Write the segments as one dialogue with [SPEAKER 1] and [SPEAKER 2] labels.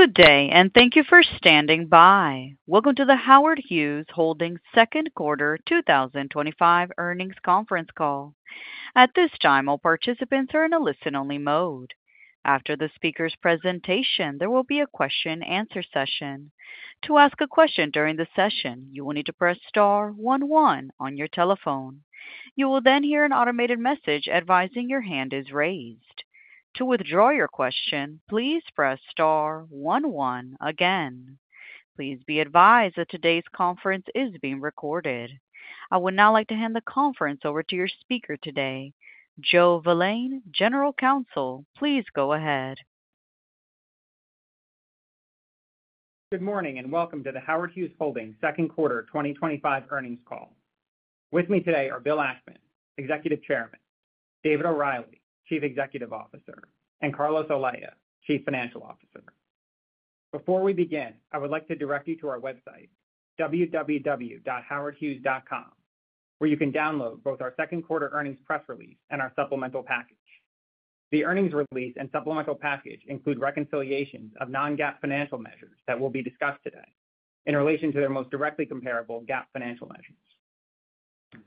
[SPEAKER 1] Good day and thank you for standing by. Welcome to the Howard Hughes Holdings second quarter 2025 earnings conference call. At this time all participants are in a listen-only mode. After the speaker's presentation there will be a question and answer session. To ask a question during the session you will need to press star 11 on your telephone. You will then hear an automated message advising your hand is raised. To withdraw your question, please press star 11 again. Please be advised that today's conference is being recorded. I would now like to hand the conference over to your speaker today, Joe Valane, General Counsel. Please go ahead.
[SPEAKER 2] Good morning and welcome to Howard Hughes Holdings Inc. Hughes Holdings Inc. second quarter 2025 earnings call. With me today are Bill Ackman, Executive Chairman, David O’Reilly, Chief Executive Officer, and Carlos Olea, Chief Financial Officer. Before we begin, I would like to. Direct you to our website www.howardhughes.com where you can download both our second quarter earnings press release and our supplemental package. The earnings release and supplemental package include reconciliations of non-GAAP financial measures that will be discussed today in relation to their most directly comparable GAAP financial measures.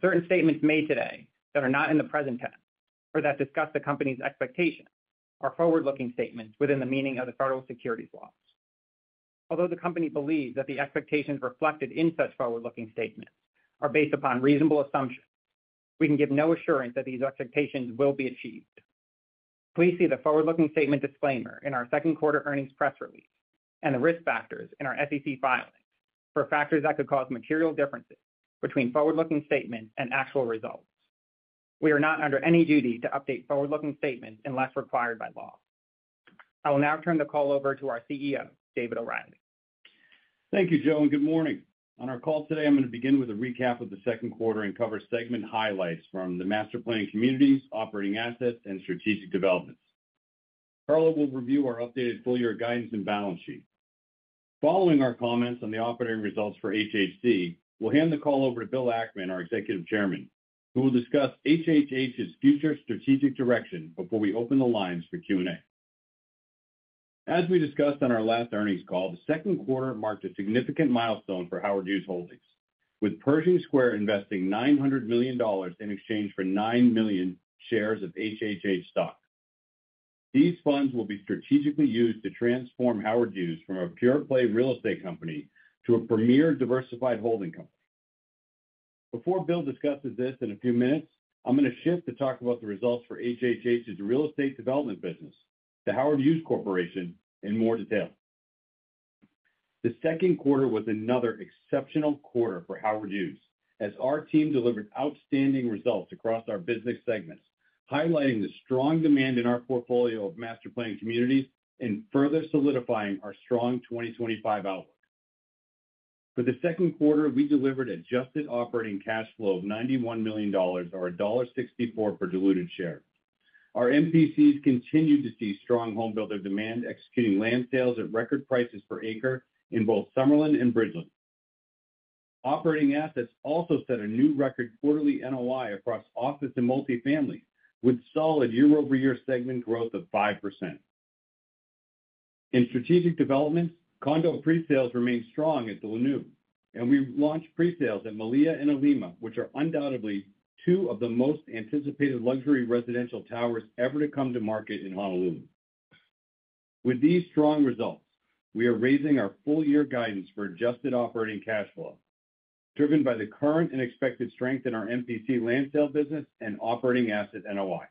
[SPEAKER 2] Certain statements made today that are not in the present tense or that discuss the company's expectations are forward-looking statements within the meaning of the federal securities laws. Although the company believes that the expectations reflected in such forward-looking statements are based upon reasonable assumptions, we can give no assurance that these expectations will be achieved. Please see the forward-looking statement disclaimer. In our second quarter earnings press release. The risk factors are in our SEC filings. Filings for factors that could cause material. Differences between forward looking statements and actual results. We are not under any duty to update forward looking statements unless required by law. I will now turn the call over. To our CEO David O’Reilly.
[SPEAKER 3] Thank you Joe and good morning. On our call today, I'm going to begin with a recap of the second quarter and cover segment highlights from the Master Planned Communities, Operating Assets and Strategic Developments. Carlos will review our updated full year guidance and balance sheet following our comments on the operating results for HHH. We'll hand the call over to Bill Ackman, our Executive Chairman, who will discuss HHH's future strategic direction before we open the lines for Q&A. As we discussed on our last earnings call, the second quarter marked a significant milestone for Howard Hughes Holdings Inc. with Pershing Square Capital Management investing $900 million in exchange for 9 million shares of HHH stock. These funds will be strategically used to transform Howard Hughes from a pure play real estate company to a premier diversified holding company. Before Bill discusses this in a few minutes, I'm going to shift to talk about the results for HHH's real estate development business, the Howard Hughes Corporation, in more detail. The second quarter was another exceptional quarter for Howard Hughes as our team delivered outstanding results across our business segments, highlighting the strong demand in our portfolio of Master Planned Communities and further solidifying our strong 2025 outlook. For the second quarter, we delivered adjusted operating cash flow of $91 million or $1.64 per diluted share. Our MPCs continued to see strong home builder demand, executing land sales at record prices per acre in both Summerlin and Bridgeland. Operating Assets also set a new record quarterly NOI across office and multifamily with solid year-over-year segment growth of 5% in Strategic Developments. Condo pre-sales remain strong at the La Nūve and we launched pre-sales at Malia and Alina, which are undoubtedly two of the most anticipated luxury residential towers ever to come to market in Honolulu. With these strong results, we are raising our full year guidance for adjusted operating cash flow driven by the current and expected strength in our MPC land sale business and Operating Asset NOI.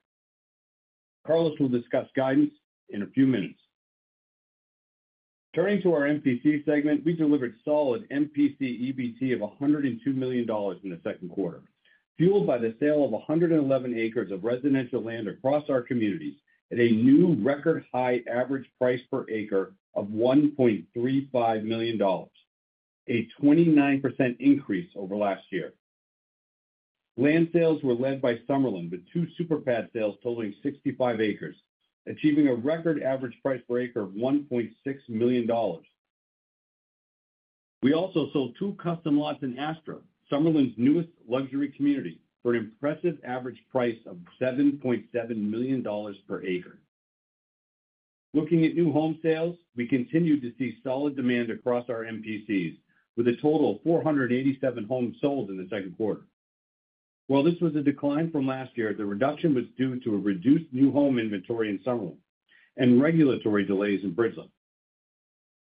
[SPEAKER 3] Carlos will discuss guidance in a few minutes. Turning to our MPC segment, we delivered solid MPC EBT of $102 million in the second quarter, fueled by the sale of 111 acres of residential land across our communities at a new record high average price per acre of $1.35 million, a 29% increase over last year. Land sales were led by Summerlin with two super pad sales totaling 65 acres, achieving a record average price break of $1.6 million. We also sold two custom lots in Astra, Summerlin's newest luxury community, for an impressive average price of $7.7 million per acre. Looking at new home sales, we continue to see solid demand across our MPCs with a total of 487 homes sold in the second quarter. While this was a decline from last year, the reduction was due to a reduced new home inventory in Summerlin and regulatory delays in Bridgeland.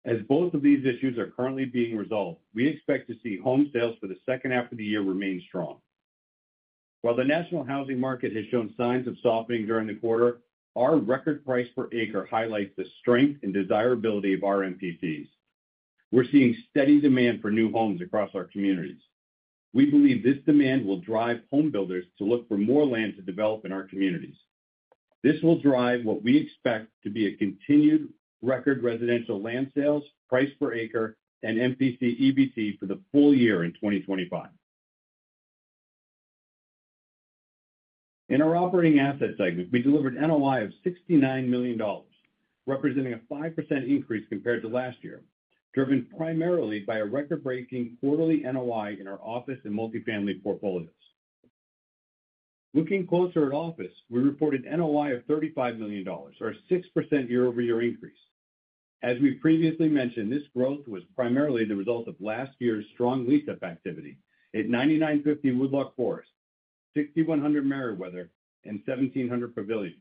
[SPEAKER 3] As both of these issues are currently being resolved, we expect to see home sales for the second half of the year remain strong. While the national housing market has shown signs of softening during the quarter, our record price per acre highlights the strength and desirability of our MPCs. We're seeing steady demand for new homes across our communities. We believe this demand will drive home builders to look for more land to develop in our communities. This will drive what we expect to be a continued record residential land sales price per acre and MPC EBT for the full year. In 2025 in our Operating Assets segment we delivered NOI of $69 million representing a 5% increase compared to last year driven primarily by a record breaking quarterly NOI in our office and multifamily portfolios. Looking closer at office, we reported NOI of $35 million or 6% year-over-year increase. As we previously mentioned, this growth was primarily the result of last year's strong lease up activity at 9950 Woodloch Forest, 6100 Merriweather and 1700 Pavilion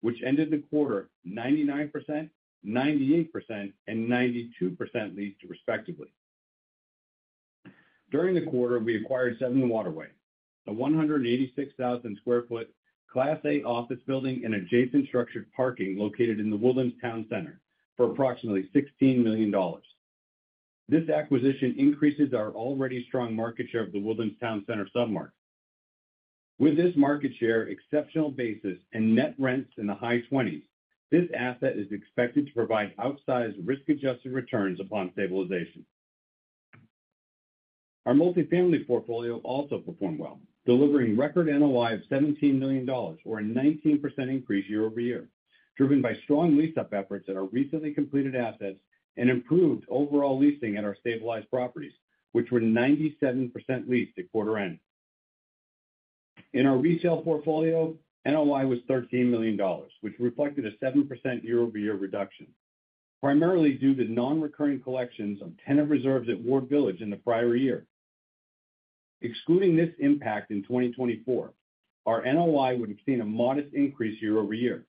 [SPEAKER 3] which ended the quarter 99%, 98% and 92% leased respectively. During the quarter we acquired Seven Waterway, a 186,000 square foot Class A office building and adjacent structured parking located in The Woodlands Town Center for approximately $16 million. This acquisition increases our already strong market share of The Woodlands Town Center submarket. With this market share, exceptional basis and net rents in the high 20s, this asset is expected to provide outsized risk adjusted returns upon stabilization. Our multifamily portfolio also performed well delivering record NOI of $17 million or a 19% increase year-over-year driven by strong lease up efforts at our recently completed assets and improved overall leasing at our stabilized properties which were 97% leased at quarter end. In our resale portfolio, NOI was $13 million, which reflected a 7% year-over-year reduction, primarily due to non-recurring collections of tenant reserves at Ward Village in the prior year. Excluding this impact, in 2024 our NOI would exceed a modest increase year-over-year.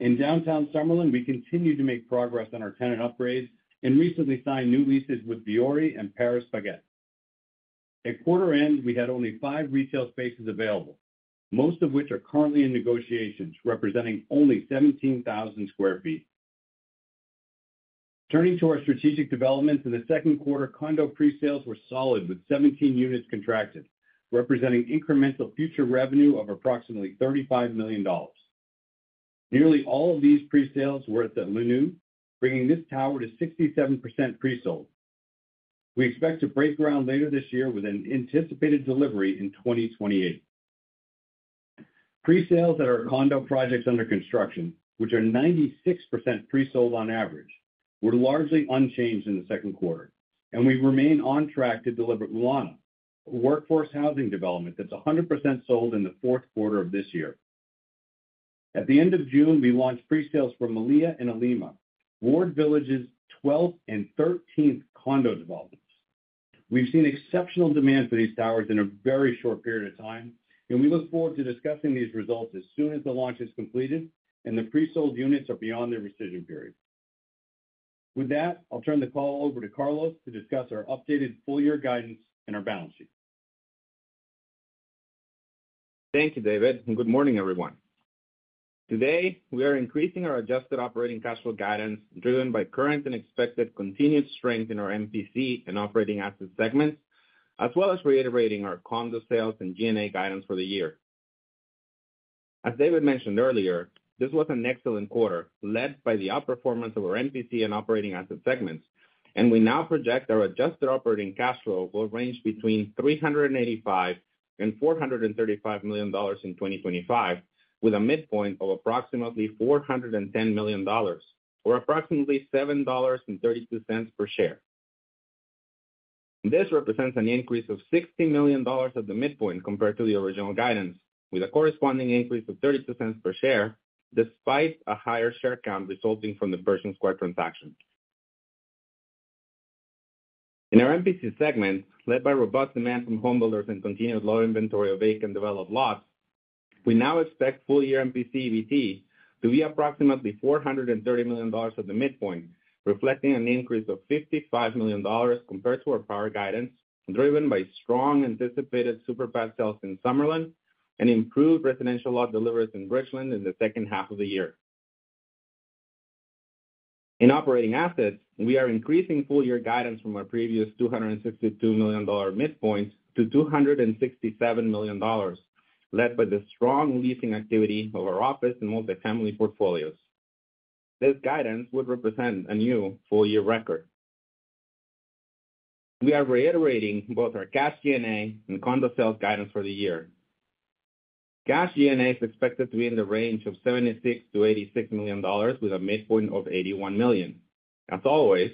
[SPEAKER 3] In Downtown Summerlin, we continue to make progress on our tenant upgrades and recently signed new leases with Diori and Paris Baguette. At quarter end, we had only five retail spaces available, most of which are currently in negotiations, representing only 17,000 square feet. Turning to our Strategic Developments, in the second quarter, condo pre-sales were solid with 17 units contracted, representing incremental future revenue of approximately $35 million. Nearly all of these pre-sales were at La Nūve, bringing this tower to 67% presold. We expect to break ground later this year with an anticipated delivery in 2028. Pre-sales at our condo projects under construction, which are 96% presold on average, were largely unchanged in the second quarter, and we remain on track to deliver Oolana workforce housing development that's 100% sold in the fourth quarter of this year. At the end of June, we launched pre-sales for Malia and Alina, Ward Village's 12th and 13th condo development. We've seen exceptional demand for these towers in a very short period of time, and we look forward to discussing these results as soon as the launch is completed and the presold units are beyond their rescission period. With that, I'll turn the call over to Carlos to discuss our updated full-year guidance and our balance sheet.
[SPEAKER 4] Thank you David and good morning everyone. Today we are increasing our adjusted operating cash flow guidance driven by current and expected continued strength in our MPC and operating asset segments as well as reiterating our condo sales and G&A guidance for the year. As David mentioned earlier, this was an excellent quarter led by the outperformance of our MPC and operating asset segments and we now project our adjusted operating cash flow will range between $385 million and $435 million in 2025 with a midpoint of approximately $410 million or approximately $7.32 per share. This represents an increase of $60 million at the midpoint compared to the original guidance with a corresponding increase of 30% per share. Despite a higher share count resulting from the Pershing Square transaction in our MPC segment led by robust demand from homebuilders and continued low inventory of vacant developed lots, we now expect full year MPC EBT to be approximately $430 million at the midpoint reflecting an increase of $55 million compared to our prior guidance driven by strong anticipated super pad sales in Summerlin and improved residential lot deliveries in Bridgeland in the second half of the year. In operating assets, we are increasing full year guidance from our previous $262 million midpoint to $267 million led by the strong leasing activity of our office and multifamily portfolios. This guidance would represent a new full year record. We are reiterating both our cash G&A and condo sales guidance for the year. Cash G&A is expected to be in the range of $76 million-$86 million with a midpoint of $81 million. As always,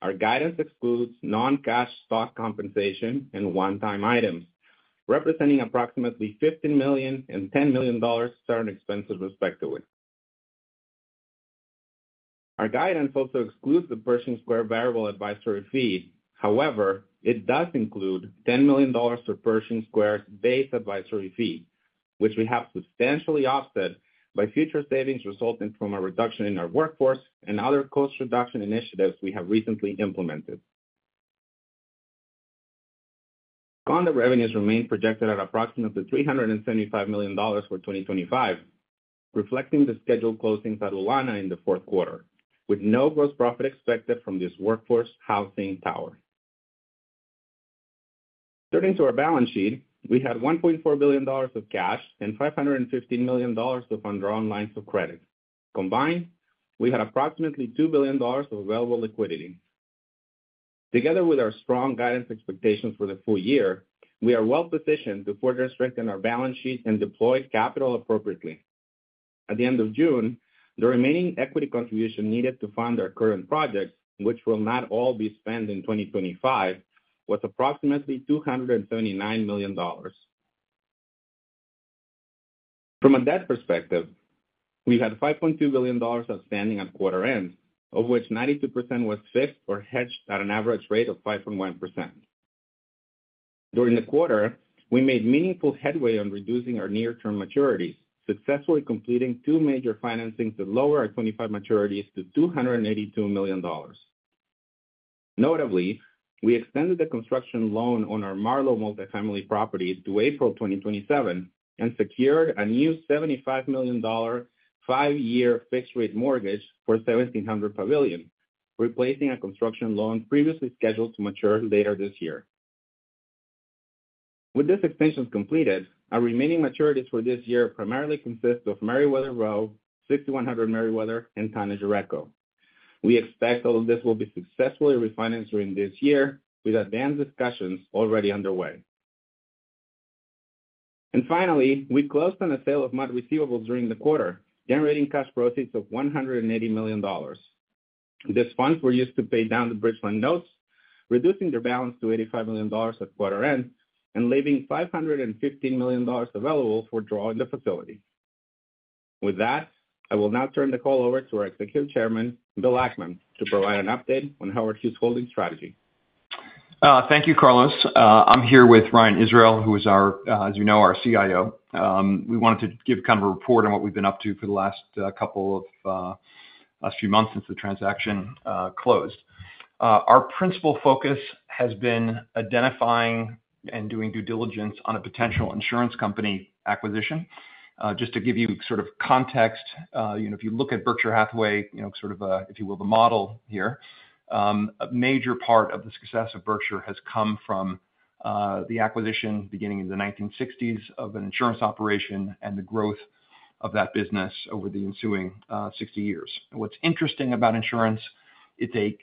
[SPEAKER 4] our guidance excludes non-cash stock compensation and one-time items representing approximately $15 million and $10 million certain expenses respectively. Our guidance also excludes the Pershing Square variable advisory fee. However, it does include $10 million per Pershing Square base advisory fee which we have substantially offset by future savings resulting from a reduction in our workforce and other cost reduction initiatives we have recently implemented. Condo revenues remain projected at approximately $375 million for 2025 reflecting the scheduled closings at Alina in the fourth quarter with no gross profit expected from this workforce housing tower. Turning to our balance sheet, we had $1.4 billion of cash and $515 million of undrawn lines of credit. Combined, we had approximately $2 billion of available liquidity. Together with our strong guidance expectations for the full year, we are well positioned to further strengthen our balance sheet and deploy capital appropriately at the end of June. The remaining equity contribution needed to fund our current project, which will not all be spent in 2025, was approximately $239 million. From a debt perspective, we had $5.2 billion outstanding at quarter end, of which 92% was fixed or hedged at an average rate of 5.1%. During the quarter, we made meaningful headway on reducing our near term maturities, successfully completing two major financings that lower our 2025 maturities to $282 million. Notably, we extended the construction loan on our Marlowe multifamily properties to April 2027 and secured a new $75 million five year fixed rate mortgage for 1700 Pavilion, replacing a construction loan previously scheduled to. Mature later this year. With this extension completed, our remaining maturities for this year primarily consist of Meriwether, Row 6100 Meriwether, and Tonnage Reco. We expect all of this will be successfully refinanced during this year with advanced discussions already underway. Finally, we closed on a sale of MUD receivables during the quarter, generating cash proceeds of $180 million. These funds were used to pay down the Bridge Fund notes, reducing their balance to $85 million at quarter end and leaving $515 million available for drawing the facility. With that, I will now turn the call over to our Executive Chairman, Bill Ackman, to provide an update on Howard Hughes Holdings strategy.
[SPEAKER 5] Thank you, Carlos. I'm here with Ryan Israel, who is our, as you know, our CIO. We wanted to give kind of a report on what we've been up to for the last few months. Since the transaction closed, our principal focus has been identifying and doing due diligence on a potential insurance company acquisition. Just to give you sort of context, if you look at Berkshire Hathaway, sort of, if you will, the model here. A major part of the success of Berkshire has come from the acquisition beginning in the 1960s of an insurance operation and the growth of that business over the ensuing 60 years. What's interesting about insurance, if they can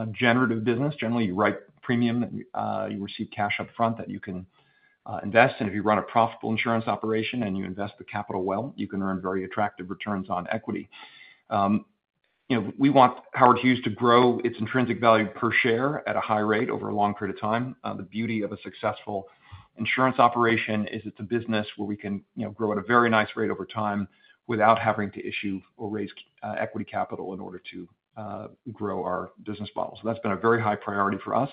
[SPEAKER 5] cash generative business generally, you write premium, you receive cash up front that you can invest. If you run a profitable insurance operation and you invest the capital well, you can earn very attractive returns on equity. We want Howard Hughes to grow its intrinsic value per share at a high rate over a long period of time. The beauty of a successful insurance operation is it's a business where we can grow at a very nice rate over time without having to issue or raise equity capital in order to grow our business model. That's been a very high priority for us.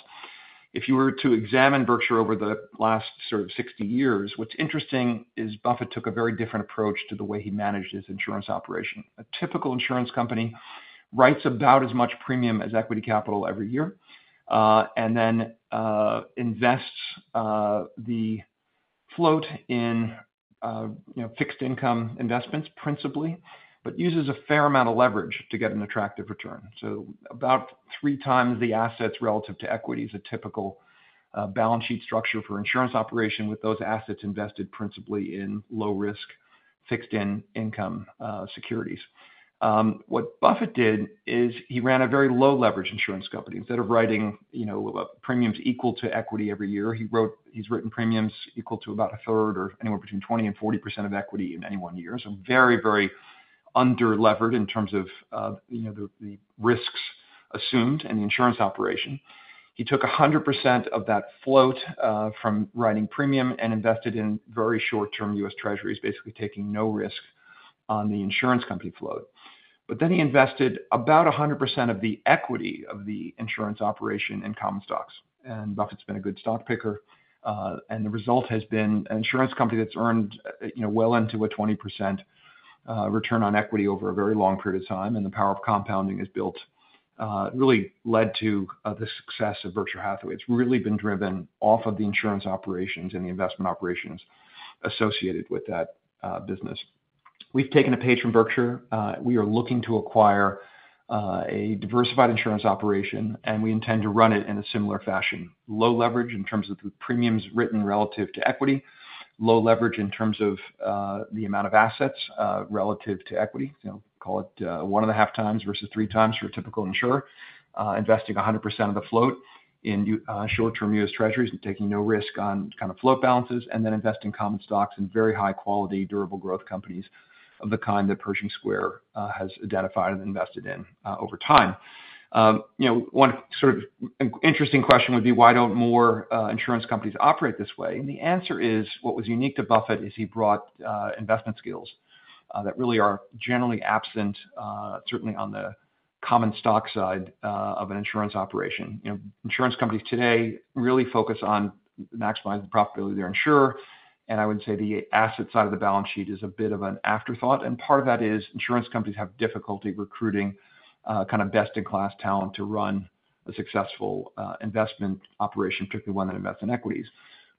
[SPEAKER 5] If you were to examine Berkshire over the last 60 years, what's interesting is Buffett took a very different approach to the way he managed his insurance operation. A typical insurance company writes about as much premium as equity capital every year and then invests the float in fixed income investments principally, but uses a fair amount of leverage to get an attractive return. About three times the assets relative to equity is a typical balance sheet structure for insurance operation, with those assets invested principally in low risk fixed income securities. What Buffett did is he ran a very low leverage insurance company. Instead of writing premiums equal to equity every year, he has written premiums equal to about a third or anywhere between 20% and 40% of equity in any one year. Very underlevered in terms of the risks assumed and the insurance operation. He took 100% of that float from writing premium and invested in very short-term U.S. Treasuries, basically taking no risk on the insurance company float. He invested about 100% of the equity of the insurance operation in common stocks. Buffett's been a good stock picker. The result has been an insurance company that's earned well into a 20% return on equity over a very long period of time. The power of compounding has really led to the success of Berkshire Hathaway. It's really been driven off of the insurance operations and the investment operations associated with that business. We've taken a page from Berkshire Hathaway. We are looking to acquire a diversified insurance operation and we intend to run it in a similar fashion. Low leverage in terms of the premiums written relative to equity. Low leverage in terms of the amount of assets relative to equity. You know, call it one and a half times versus three times for a typical insurer, investing 100% of the float in short-term U.S. Treasuries and taking no risk on kind of float balances and then investing common stocks in very high quality, durable growth companies of the kind that Pershing Square has identified and invested in over time. One sort of interesting question would be, why don't more insurance companies operate this way. The answer is, what was unique to Buffett is he brought investment skills that really are generally absent, certainly on the common stock side of an insurance operation. Insurance companies today really focus on maximizing the profitability of their insurer. I would say the asset side of the balance sheet is a bit of an afterthought. Part of that is insurance companies have difficulty recruiting kind of best-in-class talent to run a successful investment operation, particularly one that invests in equities.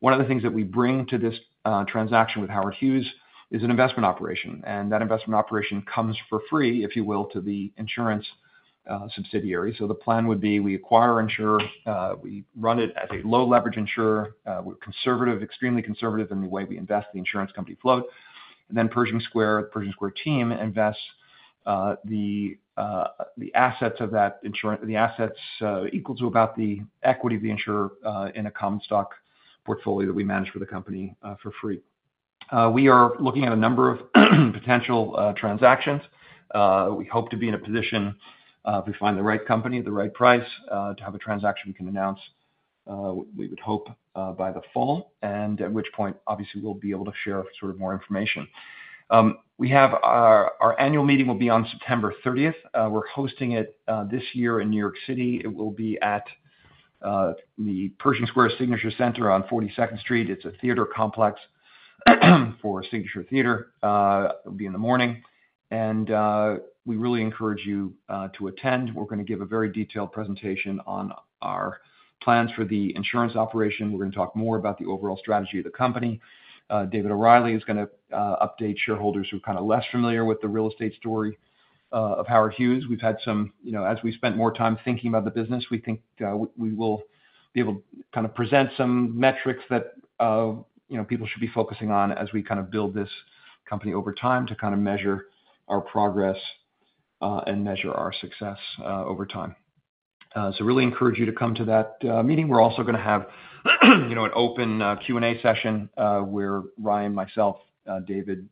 [SPEAKER 5] One of the things that we bring to this transaction with Howard Hughes is an investment operation. That investment operation comes for free, if you will, to the insurance subsidiary. The plan would be we acquire insurer, we run it at a low leverage insurer. We're conservative, extremely conservative in the way we invest the insurance company float. Pershing Square, Pershing Square team invests the assets of that insurance, the assets equal to about the equity of the insurer in a common stock portfolio that we manage for the company for free. We are looking at a number of potential transactions. We hope to be in a position if we find the right company at the right price to have a transaction we can announce, we would hope by the fall at which point, obviously we'll be able to share sort of more information. We have our annual meeting will be on September 30. We're hosting it this year in New York City. It will be at the Pershing Square Signature Center on 42nd Street. It's a theater complex for Signature Theater. It'll be in the morning and we really encourage you to attend. We're going to give a very detailed presentation on our plans for the insurance operation. We're going to talk more about the overall strategy of the company. David O’Reilly is going to update shareholders who are kind of less familiar with the real estate story of Howard Hughes We've had some, you know, as we spent more time thinking about the business, we think we will be able to kind of present some metrics that, you know, people should be focusing on as we kind of build this company over time to kind of measure our progress and measure our success over time. I really encourage you to come to that meeting. We're also going to have an open Q and A session where Ryan, myself, David,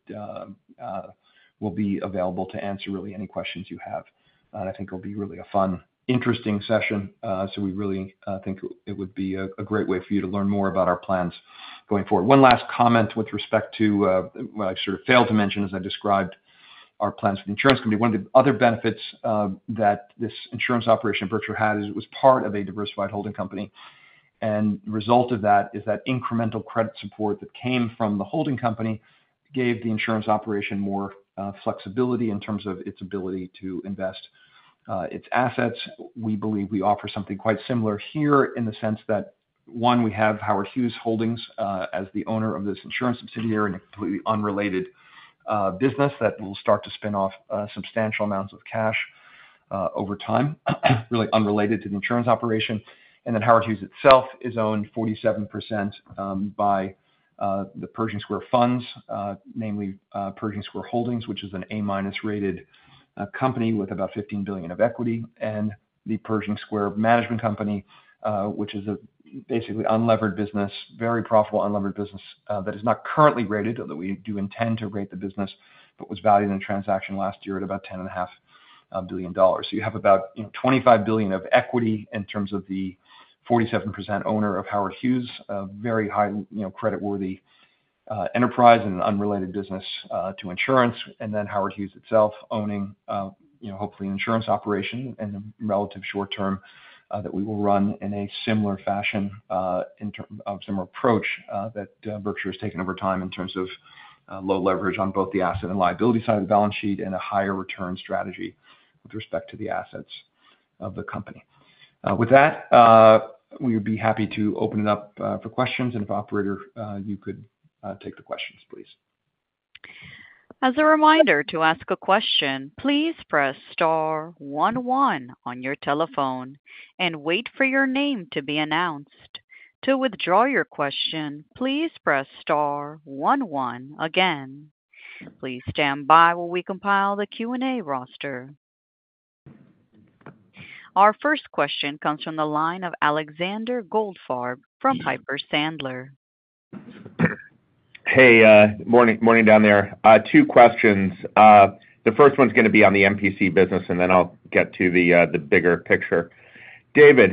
[SPEAKER 5] will be available to answer really any questions you have. I think it'll be really a fun, interesting session. I really think it would be a great way for you to learn more about our plans going forward. One last comment with respect to, I sort of failed to mention as I described our plans for the insurance company, one of the other benefits that this insurance operation Berkshire Hathaway had is it was part of a diversified holding company. The result of that is that incremental credit support that came from the holding company gave the insurance operation more flexibility in terms of its ability to invest its assets. We believe we offer something quite similar here in the sense that, one, we have Howard Hughes as the owner of this insurance subsidiary and a completely unrelated business that will start to spin off substantial amounts of cash over time, really unrelated to the insurance operation. Howard Hughes Holdings Inc. itself is owned 47% by the Pershing Square funds, namely Pershing Square Holdings, which is an A minus rated company with about $15 billion of equity, and the Pershing Square Management Company, which is a basically unlevered business, very profitable, unlevered business that is not currently rated, although we do intend to rate the business, but was valued in a transaction last year at about $10.5 billion. You have about $25 billion of equity in terms of the 47% owner of Howard Hughes, very high, you know, credit worthy enterprise and unrelated business to insurance. Howard Hughes itself owning, you know, hopefully an insurance operation in the relative short term that we will run in a similar fashion, similar approach that Berkshire Hathaway has taken over time in terms of low leverage on both the asset and liability side of the balance sheet and a higher return strategy with respect to the assets of the company. With that, we would be happy to open it up for questions. Operator, you can take the questions, please.
[SPEAKER 1] As a reminder to ask a question, please press star one one on your telephone and wait for your name to be announced. To withdraw your question, please press star one one again. Please stand by while we compile the Q&A roster. Our first question comes from the line of Alexander Goldfarb from Piper Sandler.
[SPEAKER 6] Hey, morning down there. Two questions. The first one's going to be on the MPC business and then I'll get to the bigger picture. David,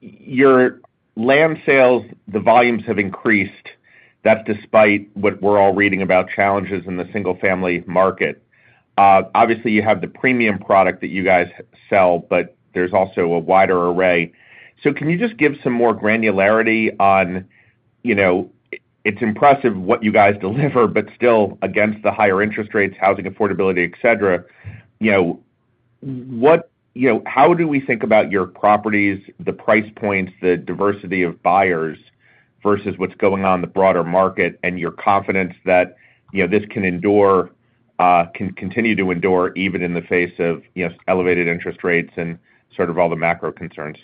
[SPEAKER 6] your land sales, the volumes have increased despite what we're all reading about challenges in the single family market. Obviously you have the premium product that you guys sell, but there's also a wider array. Can you just give some more? Granularity on, you know, it's impressive what you guys deliver, but still against the higher interest rates, housing affordability, et cetera. You know what, how do. We think about your properties, the price points, the diversity of buyers versus what's going on in the broader market. Your confidence that this can endure, can continue to endure even in the face of elevated interest rates and all the macro concerns.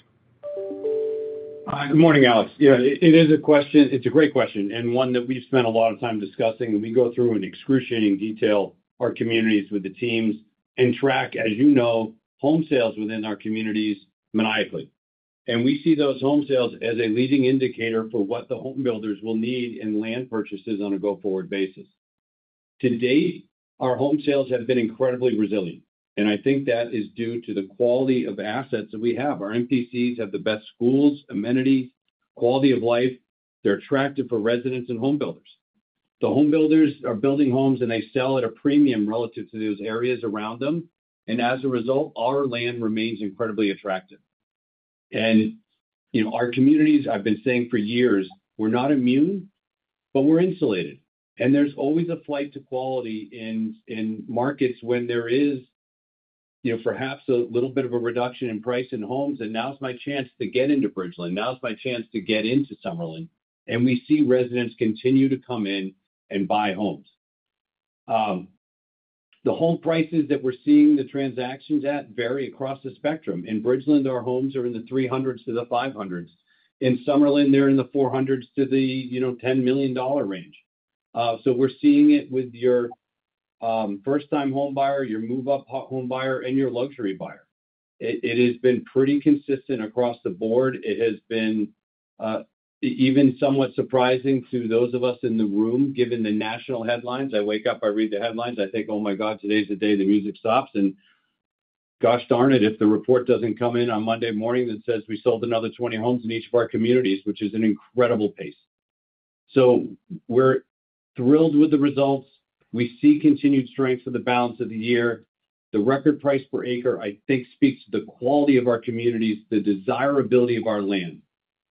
[SPEAKER 3] Good morning, Alex. Yeah, it is a question, it's a great question and one that we've spent a lot of time discussing. We go through in excruciating detail our communities with the teams and track, as you know, home sales within our communities maniacally. We see those home sales as a leading indicator for what the homebuilders will need in land purchases on a go forward basis. To date, our home sales have been incredibly resilient and I think that is due to the quality of assets that we have. Our MPCs have the best schools, amenity, quality of life. They're attractive for residents and homebuilders. The homebuilders are building homes and they sell at a premium relative to those areas around them. As a result, our land remains incredibly attractive. You know, our communities, I've been saying for years, we're not immune, but we're insulated and there's always a flight to quality. In markets when there is, you know, perhaps a little bit of a reduction in price in homes, now's my chance to get into Bridgeland, now's my chance to get into Summerlin. We see residents continue to come in and buy homes. The home prices that we're seeing the transactions at vary across the spectrum. In Bridgeland, our homes are in the $300,000-$500,000 range. In Summerlin, they're in the $400,000-$10 million range. We're seeing it with your first-time homebuyer, your move-up homebuyer, and your luxury buyer. It has been pretty consistent across the board. It has been even somewhat surprising to those of us in the room, given the national headlines. I wake up, I read the headlines, I think, oh my God, today's the day the music stops. Gosh darn it if the report doesn't come in on Monday morning that says we sold another 20 homes in each of our communities, which is an incredible pace. We're thrilled with the results. We see continued strength for the balance of the year. The record price per acre I think speaks to the quality of our communities, the desirability of our land.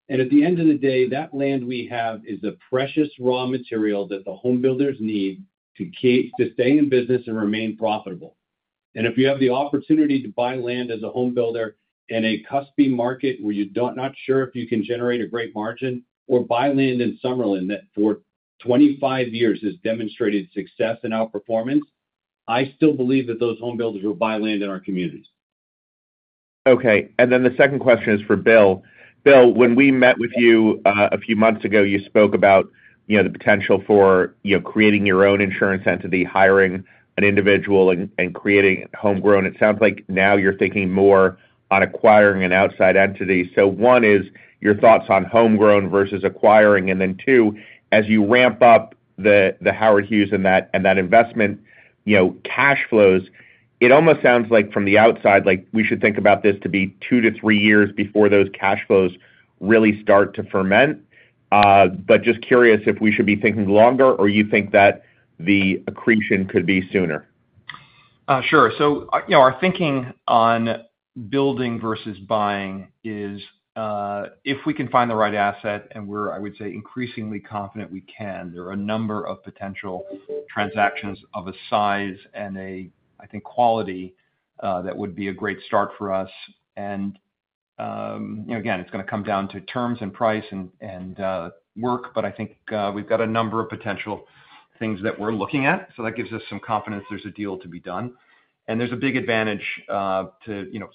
[SPEAKER 3] At the end of the day, that land we have is the precious raw material that the homebuilders need to stay in business and remain profitable. If you have the opportunity to buy land as a homebuilder in a cuspy market where you're not sure if you can generate a great margin or buy land in Summerlin, that for 25 years has demonstrated success and outperformance, I still believe that those homebuilders will buy land in our communities.
[SPEAKER 6] Okay, and then the second question is for Bill. Bill, when we met with you a few months ago, you spoke about, you know, the potential for, you know, creating your own insurance entity, hiring an individual and creating homegrown. It sounds like now you're thinking more on acquiring an outside entity. One is your thoughts on homegrown versus acquiring. Two, as you ramp up the Howard Hughes and that investment, you know, cash flows, it almost sounds like from the outside, like we should think about this to be two to three years before those cash flows really start to ferment. Just curious if we should be thinking longer or you think that the accretion could be sooner.
[SPEAKER 5] Sure. Our thinking on building versus buying is if we can find the right asset and we're, I would say, increasingly confident we can. There are a number of potential transactions of a size and a, I think, quality that would be a great start for us. It's going to come down to terms and price and work. I think we've got a number of potential things that we're looking at. That gives us some confidence there's a deal to be done and there's a big advantage to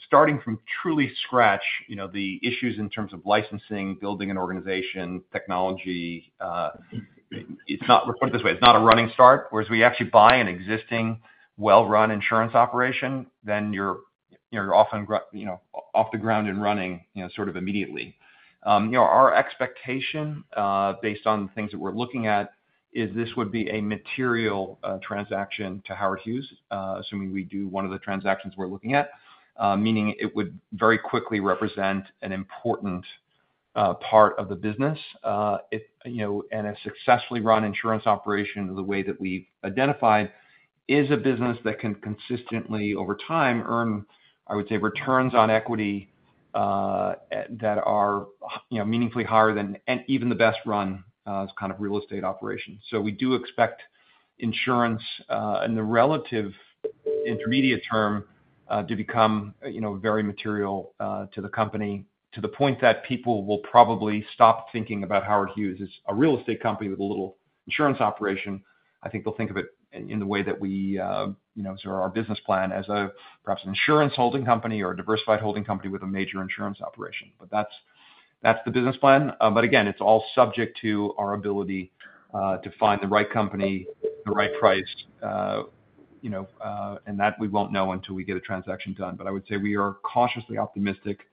[SPEAKER 5] starting from truly scratch. The issues in terms of licensing, building an organization, technology. It's not, let's put it this way, it's not a running start. If we actually buy an existing well run insurance operation, then you're often off the ground and running immediately. Our expectation based on things that we're looking at is this would be a material transaction to Howard Hughes. Assuming we do one of the transactions we're looking at, meaning it would very quickly represent an important part of the business and a successfully run insurance operation. The way that we identified is a business that can consistently over time earn, I would say, returns on equity that are meaningfully higher than even the best run kind of real estate operations. We do expect insurance in the relative intermediate term to become very material to the company to the point that people will probably stop thinking about Howard Hughes as a real estate company with a little insurance operation. I think they'll think of it in the way that we, you know, so our business plan as a, perhaps an insurance holding company or a diversified holding company with a major insurance operation, but that's the business plan. It's all subject to our ability to find the right company, the right price, and that we won't know until we get a transaction done. I would say we are cautiously optimistic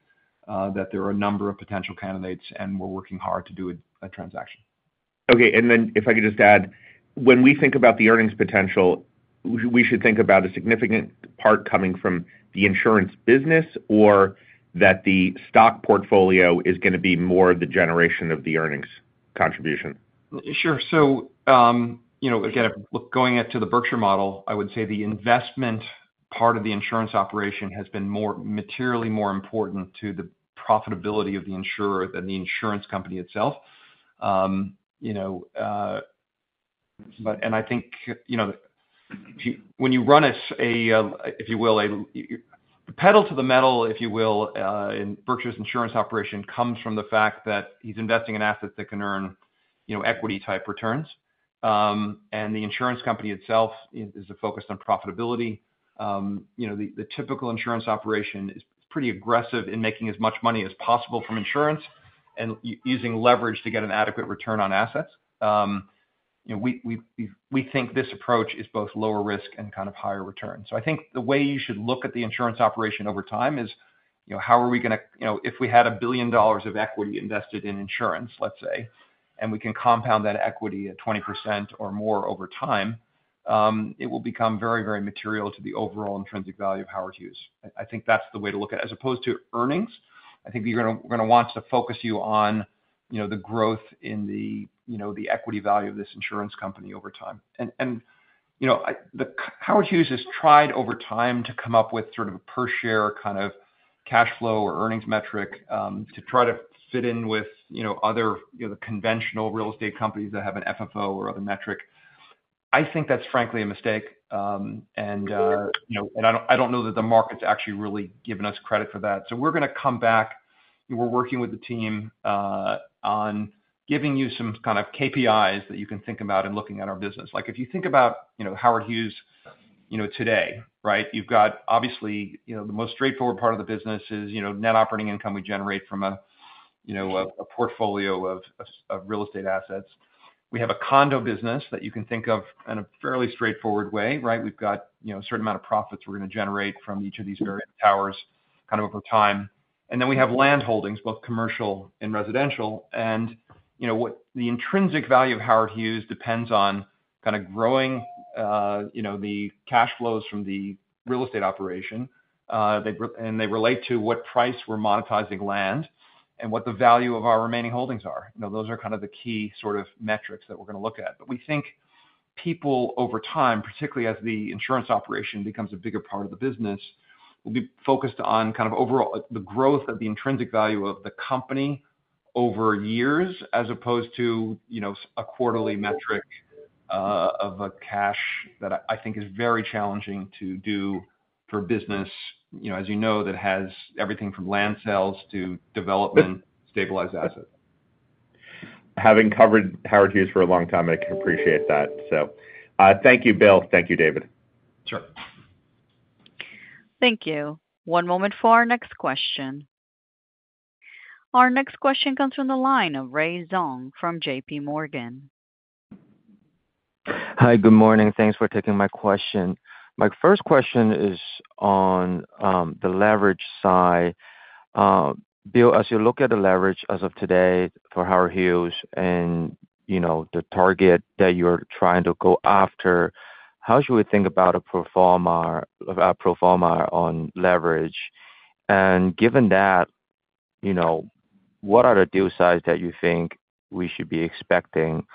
[SPEAKER 5] that there are a number of potential candidates and we're working hard to do a transaction.
[SPEAKER 3] Okay. If I could just add, when we think about the earnings potential, we should think about a significant part coming from the insurance business or that the stock portfolio is going to be more the generation of the earnings contribution. Sure. Going to the Berkshire Hathaway model, I would say the investment part of the insurance operation has been materially more important to the profitability of the insurer than the insurance company itself. I think when you run as a, if you will, a pedal to the metal in Berkshire Hathaway's insurance operation, it comes from the fact that he's investing in assets that can earn equity-type returns. The insurance company itself is focused on profitability. The typical insurance operation is pretty aggressive in making as much money as possible from insurance and using leverage to get an adequate return on assets. We think this approach is both lower risk and kind of higher return. I think the way you should look at the insurance operation over time is, how are we going to, if we had $1 billion of equity invested in insurance, let's say, and we can compound that equity at 20% or more over time, it will become very, very material to the overall intrinsic value of Howard Hughes I think that's the way to look at it. As opposed to earnings, I think you're going to want to focus on the growth in the equity value of this insurance company over time. Howard Hughes has tried over time to come up with a per share kind of cash flow or earnings metric to try to fit in with other conventional real estate companies that have an FFO or other metrics. I think that's frankly a mistake. I don't know that the market's actually really given us credit for that. We're going to come back, we're working with the team on giving you some kind of KPIs that you can think about in looking at our business. If you think about Howard Hughes today, obviously the most straightforward part of the business is net operating income we generate from a portfolio of real estate assets. We have a condo business that you can think of in a fairly straightforward way. We've got a certain amount of profits we're going to generate from each of these various towers over time. We have land holdings, both commercial and residential. The intrinsic value of Howard Hughes Holdings Inc. depends on growing the cash flows from the real estate operation, and they relate to what price we're monetizing land and what the value of our remaining holdings are. Those are kind of the key sort of metrics that we're going to look at. We think people, over time, particularly as the insurance operation becomes a bigger part of the business, will be focused on overall the growth of the intrinsic value of the company over years, as opposed to a quarterly metric of cash. That, I think, is very challenging to do for business. As you know, that has. Everything from land sales to development stabilized assets.
[SPEAKER 6] Having covered Howard Hughes for a long time, I can appreciate that. Thank you, Bill. Thank you, David.
[SPEAKER 5] Sure.
[SPEAKER 1] Thank you. One moment for our next question. Our next question comes from the line of Ray Zong from JPMorgan.
[SPEAKER 7] Hi, good morning. Thanks for taking my question. My first question is on the leverage side, Bill. As you look at the leverage as of today for Howard Hughes and the target that you're trying to go after, how should we think about pro forma on leverage? Given that, what are the deal size that you think we should be expecting?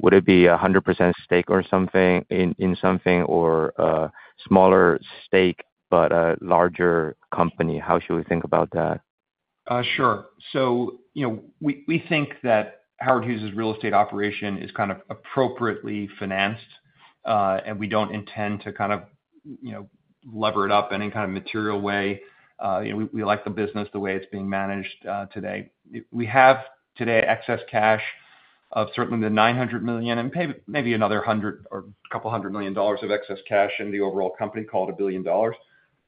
[SPEAKER 7] Would it be 100% stake or something in something, or smaller stake but a larger company? How should we think about that?
[SPEAKER 5] Sure. We think that Howard Hughes's real estate operation is kind of appropriately financed, and we don't intend to lever it up in any kind of material way. We like the business the way it's being managed today. We have today excess cash of certainly the $900 million and maybe another $100 or couple hundred million of excess cash in the overall company, called $1 billion.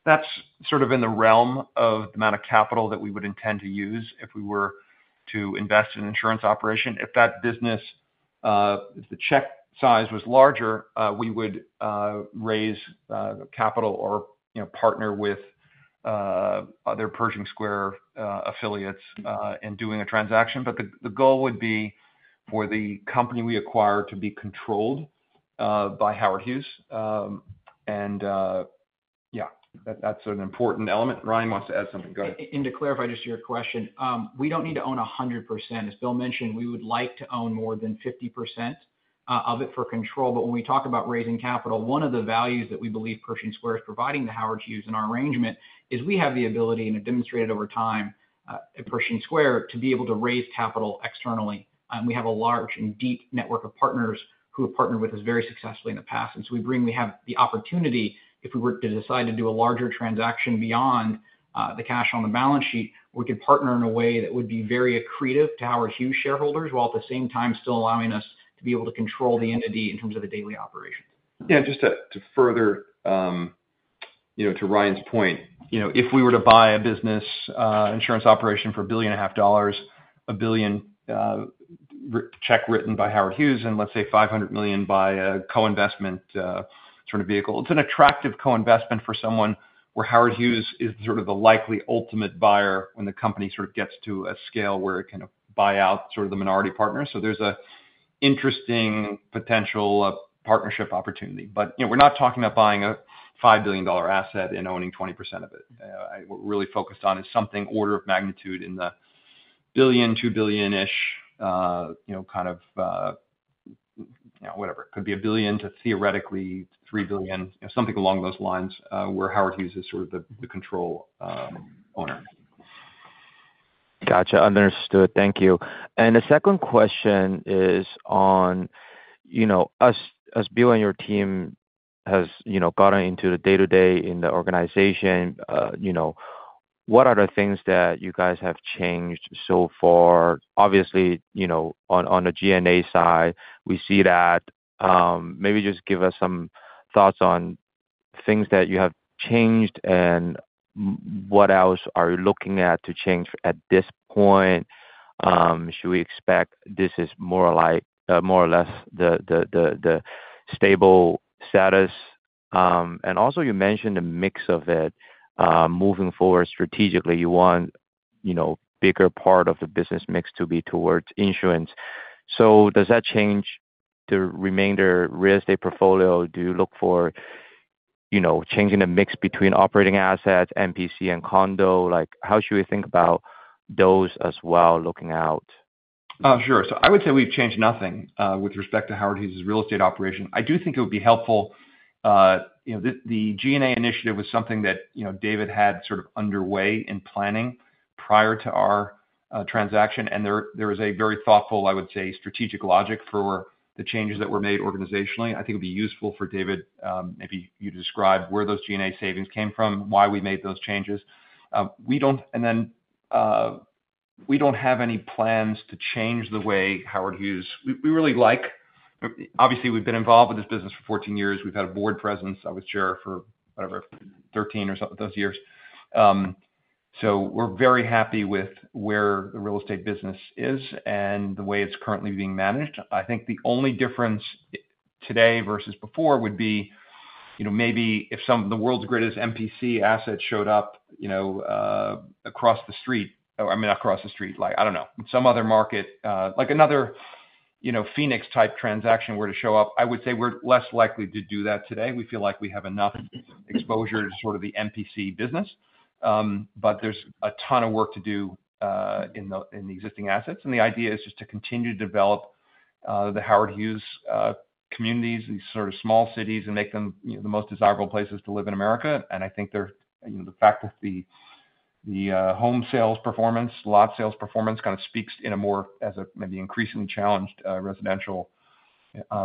[SPEAKER 5] That's sort of in the realm of the amount of capital that we would intend to use if we were to invest in an insurance operation. If that business, if the check size was larger, we would raise capital or partner with other Pershing Square affiliates in doing a transaction. The goal would be for the company we acquired to be controlled by Howard Hughes. Yeah, that's an important element. Ryan wants to add something. Go ahead.
[SPEAKER 8] To clarify just your question, we don't need to own 100%, as Bill mentioned, we would like to own more than 50% of it for control. When we talk about raising capital, one of the values that we believe Pershing Square is providing to Howard Hughes in our arrangement is we have the ability, and it has been demonstrated over time at Pershing Square, to be able to raise capital externally. We have a large and deep network. Of partners who have partnered with us. Very successfully in the past. We have the opportunity, if we were to decide to do a larger transaction beyond the cash on the balance sheet, we could partner in a way that would be very accretive to our huge shareholders while at the same time still allowing us to be able to control the entity in terms of the daily operations.
[SPEAKER 5] Yeah. Just to further to Ryan's point, if we were to buy a business insurance operation for $1.5 billion, a $1 billion check written by Howard Hughes and let's say $500 million by a co-investment sort of vehicle. It's an attractive co-investment for someone where Howard Hughes is sort of the likely ultimate buyer when the company sort of gets to a scale where it can buy out sort of the minority partner. There is an interesting potential partnership opportunity. We're not talking about buying a $5 billion asset and owning 20% of it. What we're really focused on is something order of magnitude in the $1 billion, $2 billion-ish. You know, kind of, you know, whatever. It could be $1 billion to theoretically $3 billion. Something along those lines where Howard Hughes is sort of the control owner.
[SPEAKER 7] Gotcha. Understood, thank you. The second question is on us as Bill and your team has gotten into the day to day in the organization. What are the things that you guys have changed so far? Obviously on the G&A side we see that, maybe just give us some thoughts on things that you have changed and what else are you looking at to change at this point? Should we expect this is more or less the stable status? You also mentioned the mix of it moving forward. Strategically you want a bigger part of the business mix to be towards insurance. Does that change the remainder real estate portfolio? Do you look for changing the mix between Operating Assets, MPC, and condo? How should we think about those as well looking out?
[SPEAKER 5] Sure. I would say we've changed nothing with respect to Howard Hughes real estate operation. I do think it would be helpful. The G&A initiative was something that David had sort of underway in planning prior to our transaction. There is a very thoughtful, I would say, strategic logic for the changes that were made organizationally. I think it'd be useful for David, maybe you describe where those G&A savings came from, why we made those changes. We don't. We don't have any plans to change the way Howard Hughes operates. We really like, obviously, we've been involved with this business for 14 years. We've had a board presence. I was Chair for, whatever, 13 or something of those years. We're very happy with where the real estate business is and the way it's currently being managed. I think the only difference today versus before would be, maybe if some of the world's greatest MPC assets showed up, you know, across the street. I mean, across the street, like, I don't know, some other market, like another, you know, Phoenix type transaction were to show up. I would say we're less likely to do that today. We feel like we have enough exposure to the MPC business, but there's a ton of work to do in the existing assets. The idea is just to continue to develop the Howard Hughes communities, these small cities, and make them the most desirable places to live in America. The fact that the home sales performance, lot sales performance, kind of speaks in a more, as a maybe increasingly challenged residential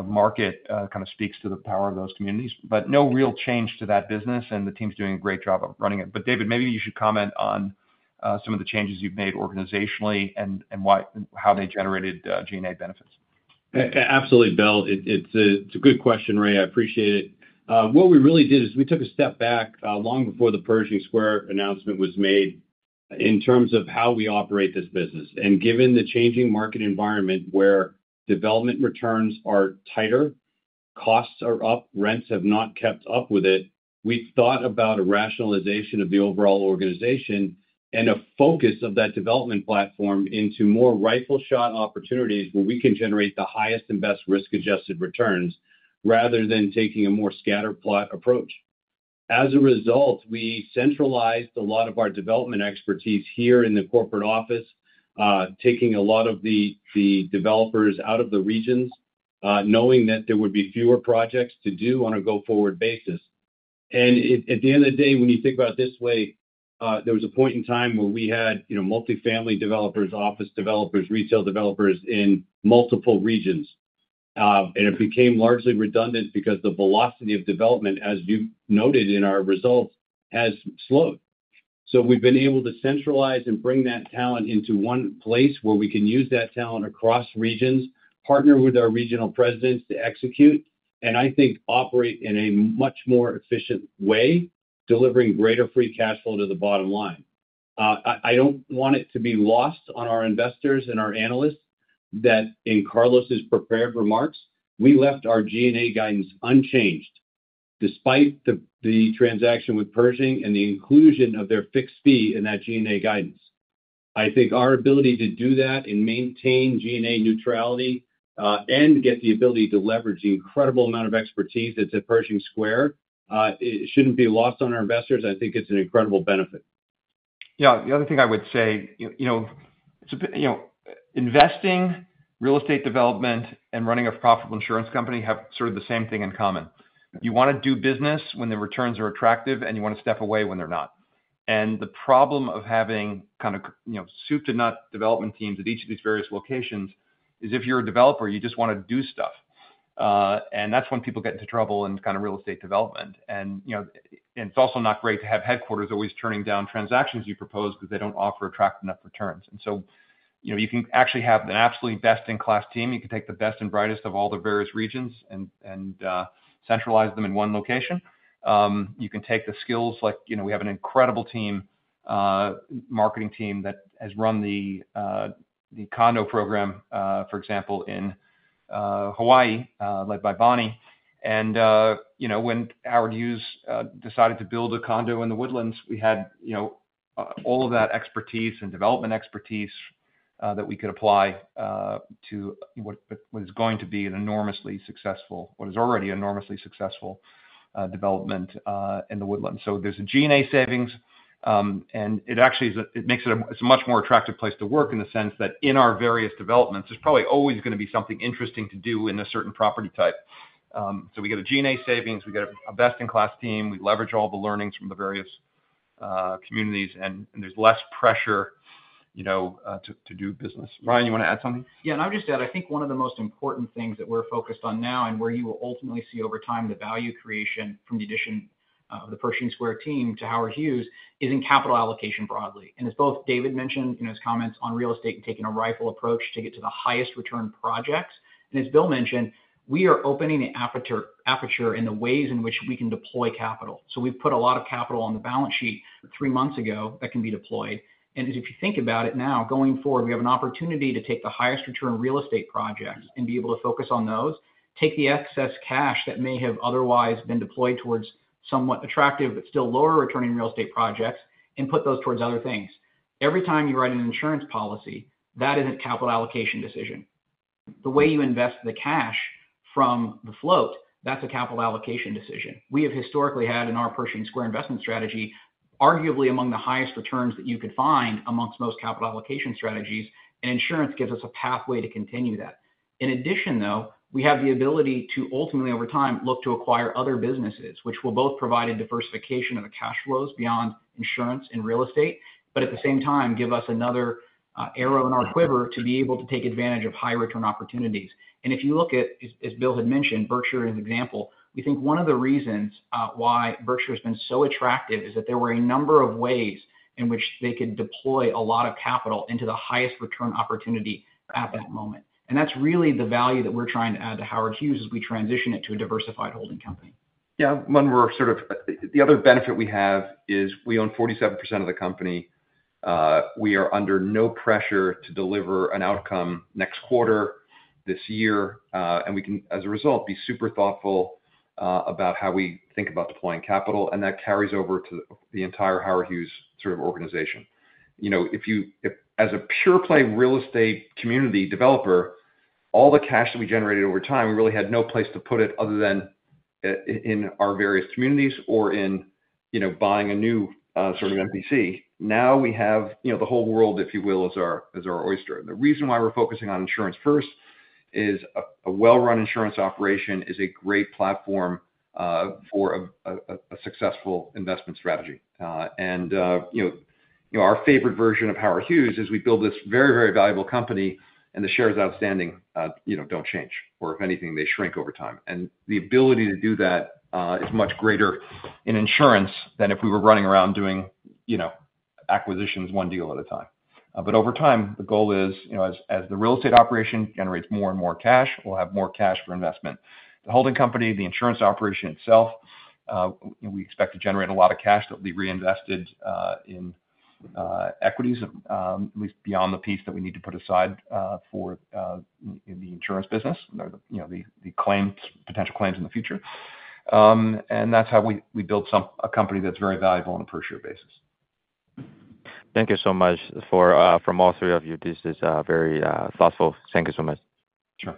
[SPEAKER 5] market, kind of speaks to the power of those communities. No real change to that business, and the team's doing a great job of running it. David, maybe you should comment on some of the changes you've made organizationally and why, how they generated G&A benefits.
[SPEAKER 3] Absolutely, Bill. It's a good question, Ray. I appreciate it. What we really did is we took a step back long before the Pershing Square announcement was made in terms of how we operate this business. Given the changing market environment where development returns are tighter, costs are up, rents have not kept up with it, we thought about a rationalization of the overall organization and a focus of that development platform into more rifle shot opportunities where we can generate the highest and best risk adjusted returns rather than taking a more scatter plot approach. As a result, we centralized a lot of our development expertise here in the corporate office, taking a lot of the developers out of the regions, knowing that there would be fewer projects to do on a go forward basis. At the end of the day, when you think about it this way, there was a point in time where we had multifamily developers, office developers, retail developers in multiple regions. It became largely redundant because the velocity of development, as you noted in our results, has slowed. We've been able to centralize and bring that talent into one place where we can use that talent across regions, partner with our regional presidents to execute, and I think operate in a much more efficient way, delivering greater free cash flow to the bottom line. I don't want it to be lost on our investors and our analysts that in Carlos's prepared remarks, we left our G&A guidance unchanged despite the transaction with Pershing and the inclusion of their fixed fee in that G&A guidance. I think our ability to do that and maintain G&A neutrality and get the ability to leverage the incredible amount of expertise that's at Pershing Square shouldn't be lost on our investors. I think it's an incredible benefit. Yeah.
[SPEAKER 5] The other thing I would say, you know, it's a bit, you know, investing in real estate development and running a profitable insurance company have sort of the same thing in common. You want to do business when the returns are attractive and you want to step away when they're not. The problem of having kind of, you know, soup to nut development teams at each of these various locations is if you're a developer, you just want to do stuff and that's when people get into trouble in real estate development. It's also not great to have headquarters always turning down transactions you propose because they don't offer attractive enough returns. You can actually have an absolutely best-in-class team. You can take the best and brightest of all the various regions and centralize them in one location. You can take the skills like, you know, we have an incredible marketing team that has run the condo program, for example, in Hawaii, led by Bonnie. When Howard Hughes decided to build a condo in the Woodlands, we had all of that expertise and development expertise that we could apply to what is going to be an enormously successful, what is already enormously successful development in the Woodlands. There's a G&A savings and it actually makes it a much more attractive place to work in the sense that in our various developments, there's probably always going to be something interesting to do in a certain property type. We get a G&A savings, we get a best-in-class team, we leverage all the learnings from the various communities and there's less pressure, you know, to do business. Ryan, you want to add something?
[SPEAKER 8] Yeah, and I'll just add, I think one of the most important things that we're focused on now and where you will ultimately see over time the value creation from the addition of the Pershing Square team to Howard Hughes is in capital allocation broadly. As both David mentioned in his comments on real estate and taking a rifle approach to get to the highest return projects, as Bill mentioned, we are opening the aperture. Aperture in the ways in which we can deploy capital. We've put a lot of capital on the balance sheet three months ago that can be deployed. If you think about it now going forward, we have an opportunity to take the highest return real estate projects and be able to focus on those, take the excess cash that may have otherwise been deployed towards somewhat attractive but still lower returning real estate projects and put those towards other things. Every time you write an insurance policy, that is a capital allocation decision. The way you invest the cash from the float, that's a capital allocation decision. We have historically had in our Pershing Square Capital Management investment strategy, arguably among the highest returns that you could find amongst most capital allocation strategies. Insurance gives us a pathway to continue that. In addition, we have the ability to ultimately over time look to acquire other businesses which will both provide a diversification of cash flows beyond insurance and real estate, but at the same time give us another arrow in our quiver to be able to take advantage of high return opportunities. If you look at, as Bill Ackman had mentioned, Berkshire Hathaway as an example, we think one of the reasons why Berkshire Hathaway has been so attractive is that there were a number of ways in which they could deploy a lot of capital into the highest return opportunity at that moment. That's really the value that we're trying to add to Howard Hughes Holdings Inc. as we transition it to a diversified holding company.
[SPEAKER 5] Yeah, one, we're sort of the other benefit we have is we own 47% of the company. We are under no pressure to deliver an outcome next quarter this year. We can as a result be super thoughtful about how we think about deploying capital. That carries over to the entire Howard Hughes. sort of organization. You know, if you, as a pure play real estate community developer, all the cash that we generated over time, we really had no place to put it other than in our various communities or in buying a new sort of MPC. Now we have the whole world, if you will, as our oyster. The reason why we're focusing on insurance first is a well-run insurance operation is a great platform for a successful investment strategy. Our favorite version of Howard Hughes. is we build this very, very valuable company and the shares outstanding don't change or if anything, they shrink over time. The ability to do that is much greater in insurance than if we were running around doing acquisitions one deal at a time. Over time the goal is as the real estate operation generates more and more cash, we'll have more cash for investment. The holding company, the insurance operation itself, we expect to generate a lot of cash that will be reinvested in equities, at least beyond the piece that we need to put aside for the insurance business, you know, the claims, potential claims in the future. That's how we build a company that's very valuable on a per share basis.
[SPEAKER 7] Thank you so much for, from all three of you, this is very thoughtful. Thank you so much. Sure.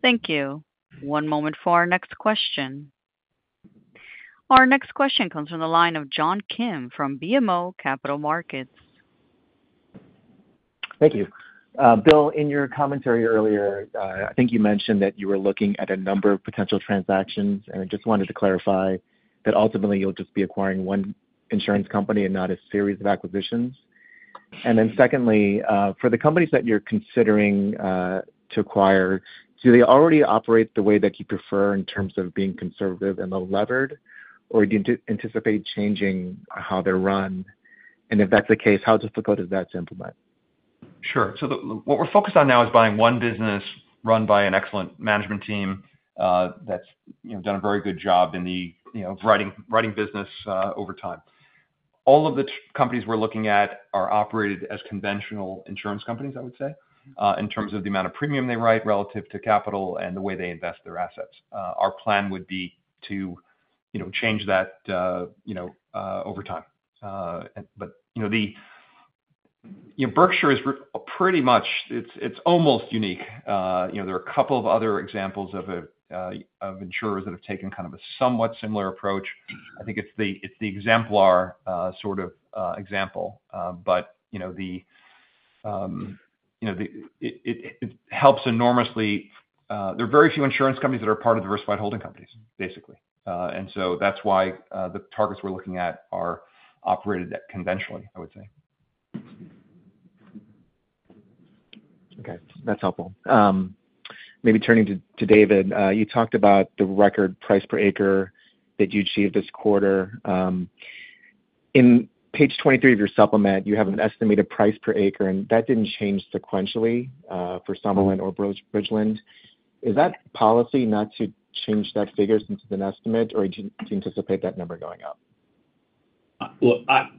[SPEAKER 1] Thank you. One moment for our next question. Our next question comes from the line of John Kim from BMO Capital Markets.
[SPEAKER 9] Thank you, Bill. In your commentary earlier, I think you mentioned that you were looking at a number of potential transactions. I just wanted to clarify that ultimately you'll just be acquiring one insurance company and not a series of acquisitions. Secondly, for the companies that you're considering to acquire, do they already operate the way that you prefer in terms of being conservative and levered, or do you anticipate changing how they're run? If that's the case, how difficult. Is that to implement?
[SPEAKER 5] Sure. What we're focused on now is buying one business run by an excellent management team that's done a very good job in the writing business over time. All of the companies we're looking at are operated as conventional insurance companies, I would say, in terms of the amount of premium they write relative to capital and the way they invest their assets. Our plan would be to change that over time. Berkshire is pretty much, it's almost unique. There are a couple of other examples of insurers that have taken kind of a somewhat similar approach. I think it's the exemplar sort of example. It helps enormously. There are very few insurance companies that are part of diversified holding companies, basically, and that's why the targets we're looking at are operated conventionally, I would say. Okay, that's helpful.
[SPEAKER 9] Maybe turning to David, you talked about the record price per acre that you achieved this quarter. In page 23 of your supplement, you have an estimated price per acre, and that didn't change sequentially for Summerlin or Bridgeland. Is that policy not to change that figure since it's an estimate, or do you anticipate that number going up?
[SPEAKER 3] John,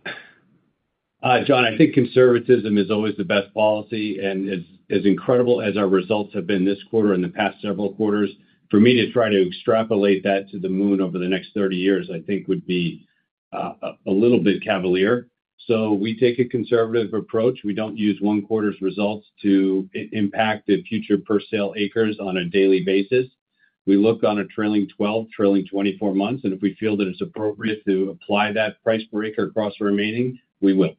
[SPEAKER 3] I think conservatism is always the best policy. It's as incredible as our results have been this quarter and the past several quarters. For me to try to extrapolate that to the moon over the next 30 years, I think would be a little bit cavalier. We take a conservative approach. We don't use one quarter's results to impact the future per sale acres on a daily basis. We look on a trailing 12, trailing 24 months, and if we feel that it's appropriate to apply that price breaker across the remaining, we will.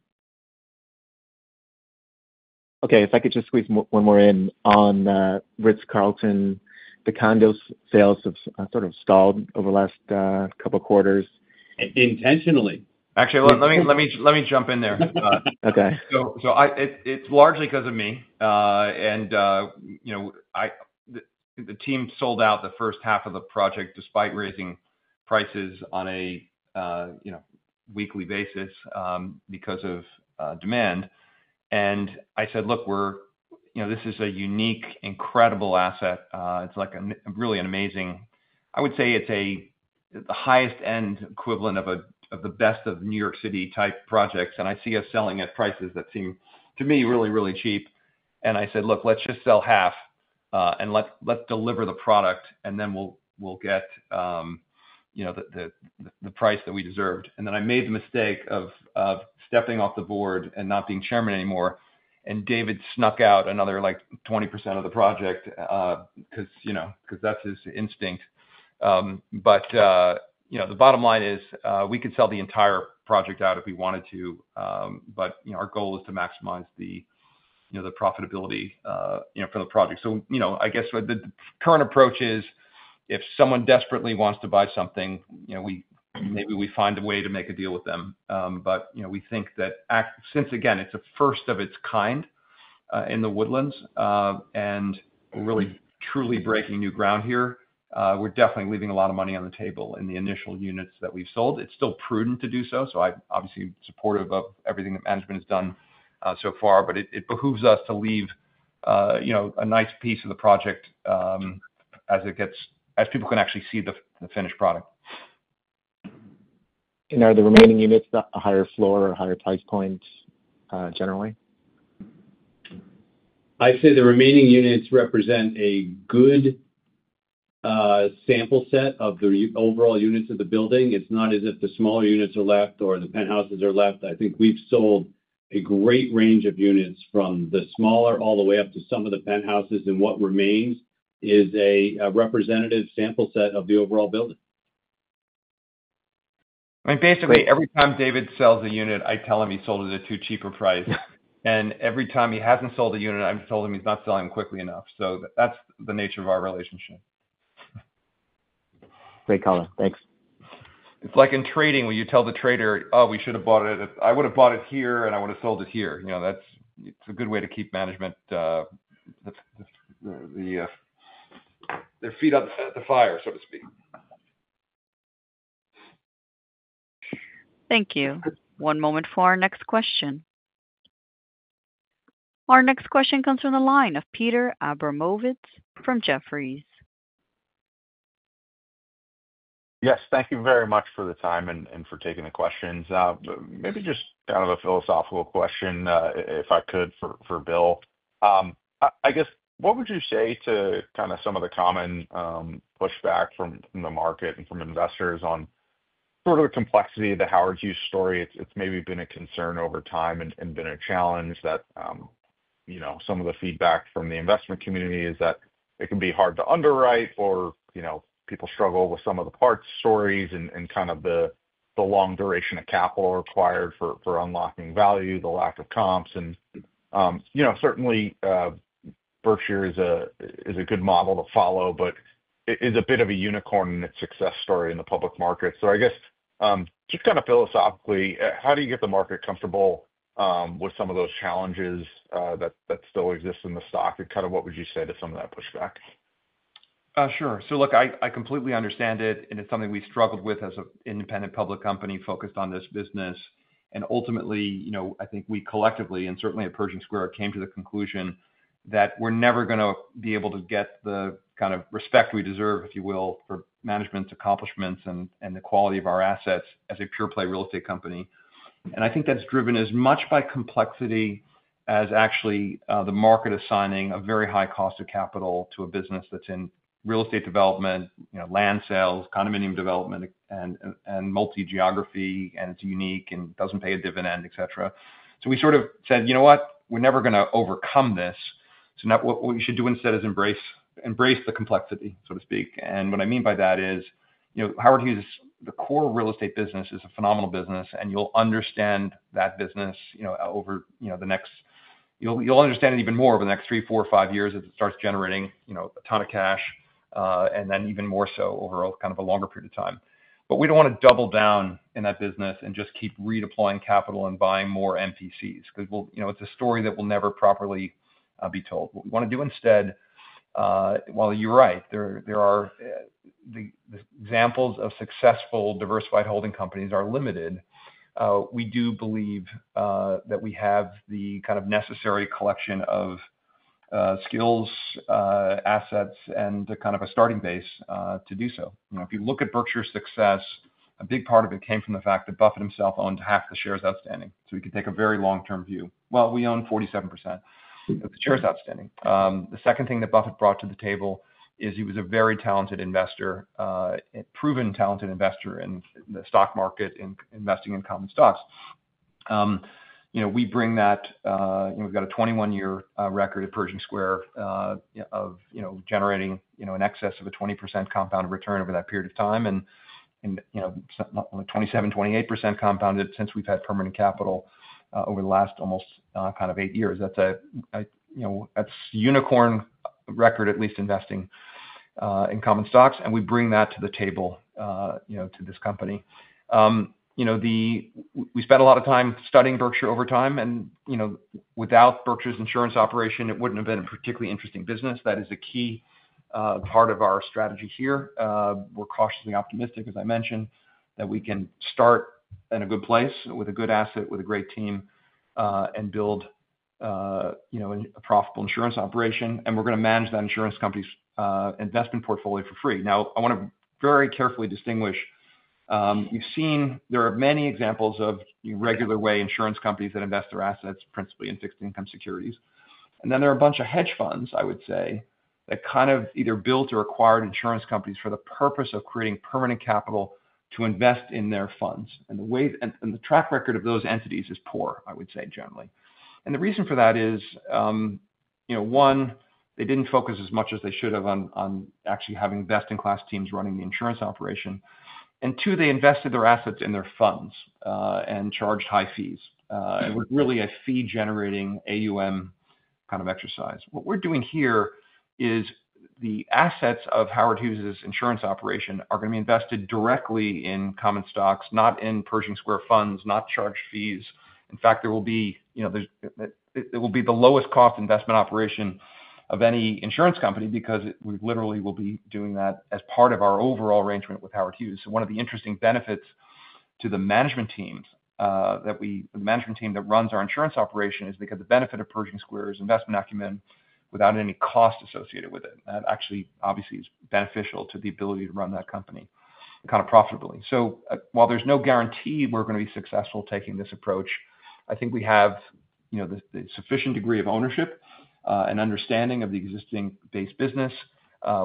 [SPEAKER 9] Okay, if I could just squeeze one more in. On Ritz Carlton, the condo sales have sort of stalled over the last couple quarters.
[SPEAKER 3] Intentionally, actually.
[SPEAKER 5] Let me jump in there. Okay. It's largely because of me. The team sold out the first half of the project despite raising prices on a weekly basis because of demand. I said, look, this is a unique, incredible asset. It's really an amazing, I would say, the highest end equivalent of the best of New York City type projects. I see us selling at prices that seem to me really, really cheap. I said, look, let's just sell half and let's deliver the product and then we'll get the price that we deserved. I made the mistake of stepping off the board and not being Chairman anymore, and David snuck out another 20% of the project because that's his instinct. The bottom line is we could sell the entire project out if we wanted to, but our goal is to maximize the profitability for the project. I guess the current approach is if someone desperately wants to buy something, maybe we find a way to make a deal with them. We think that since again, it's a first of its kind in the Woodlands and really, truly breaking new ground here, we're definitely leaving a lot of money on the table in the initial units that we've sold. It's still prudent to do so. I'm obviously supportive of everything that management has done so far, but it behooves us to leave a nice piece of the project as it gets, as people can actually see the finished product.
[SPEAKER 9] Are the remaining units a higher floor or higher price point generally?
[SPEAKER 3] I'd say the remaining units represent a good sample set of the overall units of the building. It's not as if the smaller units are left or the penthouses are left. I think we've sold a great range of units from the smaller all the way up to some of the penthouses. What remains is a representative sample set of the overall building.
[SPEAKER 5] Basically, every time David sells a unit, I tell him he sold it at too cheap a price. Every time he hasn't sold a unit, I tell him he's not selling quickly enough. That's the nature of our relationship. Great caller, thanks. It's like in trading where you tell the trader, oh, we should have bought it here and I would have sold it here. It's a good way to keep management, their feet on the fire, so to speak.
[SPEAKER 1] Thank you. One moment for our next question. Our next question comes from the line of Peter Abramowicz from Jefferies.
[SPEAKER 10] Yes, thank you very much for that. Thank you for taking the questions. Maybe just kind of a philosophical question, if I could, for Bill. I guess what would you say to some of the common pushback from the market and from investors on the complexity of the Howard Hughes story? It's maybe been a concern over time and been a challenge that some of the feedback from the investment community is that it can be hard to underwrite or people struggle with some of the parts stories and the long duration of capital required for unlocking value, the lack of comps. Certainly, Berkshire is a good model to follow, but is a bit of a unicorn in its success story in the public market. I guess just kind of philosophically, how do you get the market comfortable with some of those challenges that still exist in the stock? What would you say to some of that pushback?
[SPEAKER 5] Sure. I completely understand it and it's something we struggled with as an independent public company focused on this business. Ultimately, I think we collectively and certainly at Pershing Square, came to the conclusion that we're never going to be able to get the kind of respect we deserve, if you will, for management's accomplishments and the quality of our assets as a pure play real estate company. I think that's driven as much by complexity as actually the market assigning a very high cost of capital to a business that's in real estate development, land sales, condominium development, and multi-geography. It's unique and doesn't pay a dividend, etc. We sort of said, you know what, we're never going to overcome this. What you should do instead is embrace the complexity, so to speak. What I mean by that is, you know, Howard Hughes, the core real estate business is a phenomenal business. You'll understand that business even more over the next three, four, five years as it starts generating a ton of cash and then even more so over a longer period of time. We don't want to double down in that business and just keep redeploying capital and buying more MPCs because it's a story that will never properly be told. What we want to do instead, while you're right, the examples of successful diversified holding companies are limited, we do believe that we have the kind of necessary collection of skills, assets, and a starting base to do so. If you look at Berkshire Hathaway's success, a big part of it came from the fact that Buffett himself owned half the shares outstanding. We could take a very long-term view. We own 47% shares outstanding. The second thing that Buffett brought to the table is he was a very talented investor, proven talented investor in the stock market, investing in common stocks. We bring that. We've got a 21-year record at Pershing Square of generating in excess of a 20% compound return over that period of time and 27%, 28% compounded since we've had permanent capital over the last almost kind of eight years. That's a unicorn record at least investing in common stocks, and we bring that to the table to this company. We spent a lot of time studying Berkshire Hathaway over time, and without Berkshire Hathaway's insurance operation, it wouldn't have been a particularly interesting business. That is the key part of our strategy here. We're cautiously optimistic, as I mentioned, that we can start in a good place with a good asset, with a great team, and build a profitable insurance operation. We're going to manage that insurance company's investment portfolio for free. Now, I want to very carefully distinguish. You've seen there are many examples of regular way insurance companies that invest their assets principally in fixed income securities. There are a bunch of hedge funds, I would say, that kind of either built or acquired insurance companies for the purpose of creating permanent capital to invest in their funds. The track record of those entities. Is poor, I would say generally. The reason for that is, one, they didn't focus as much as they should have on actually having best-in-class teams running the insurance operation. Two, they invested their assets in their funds and charged high fees. It was really a fee-generating AUM kind of exercise. What we're doing here is the assets of Howard Hughes's insurance operation are going to be invested directly in common stocks, not in Pershing Square funds, not charge fees. In fact, it will be the lowest cost investment operation of any insurance company because we literally will be doing that as part of our overall arrangement with Howard Hughes. One of the interesting benefits to the management team that runs our insurance operation is the benefit of Pershing Square's investment acumen without any cost associated with it. That actually obviously is beneficial to the ability to run that company profitably. While there's no guarantee we're going to be successful taking this approach, I think we have the sufficient degree of ownership and understanding of the existing base business.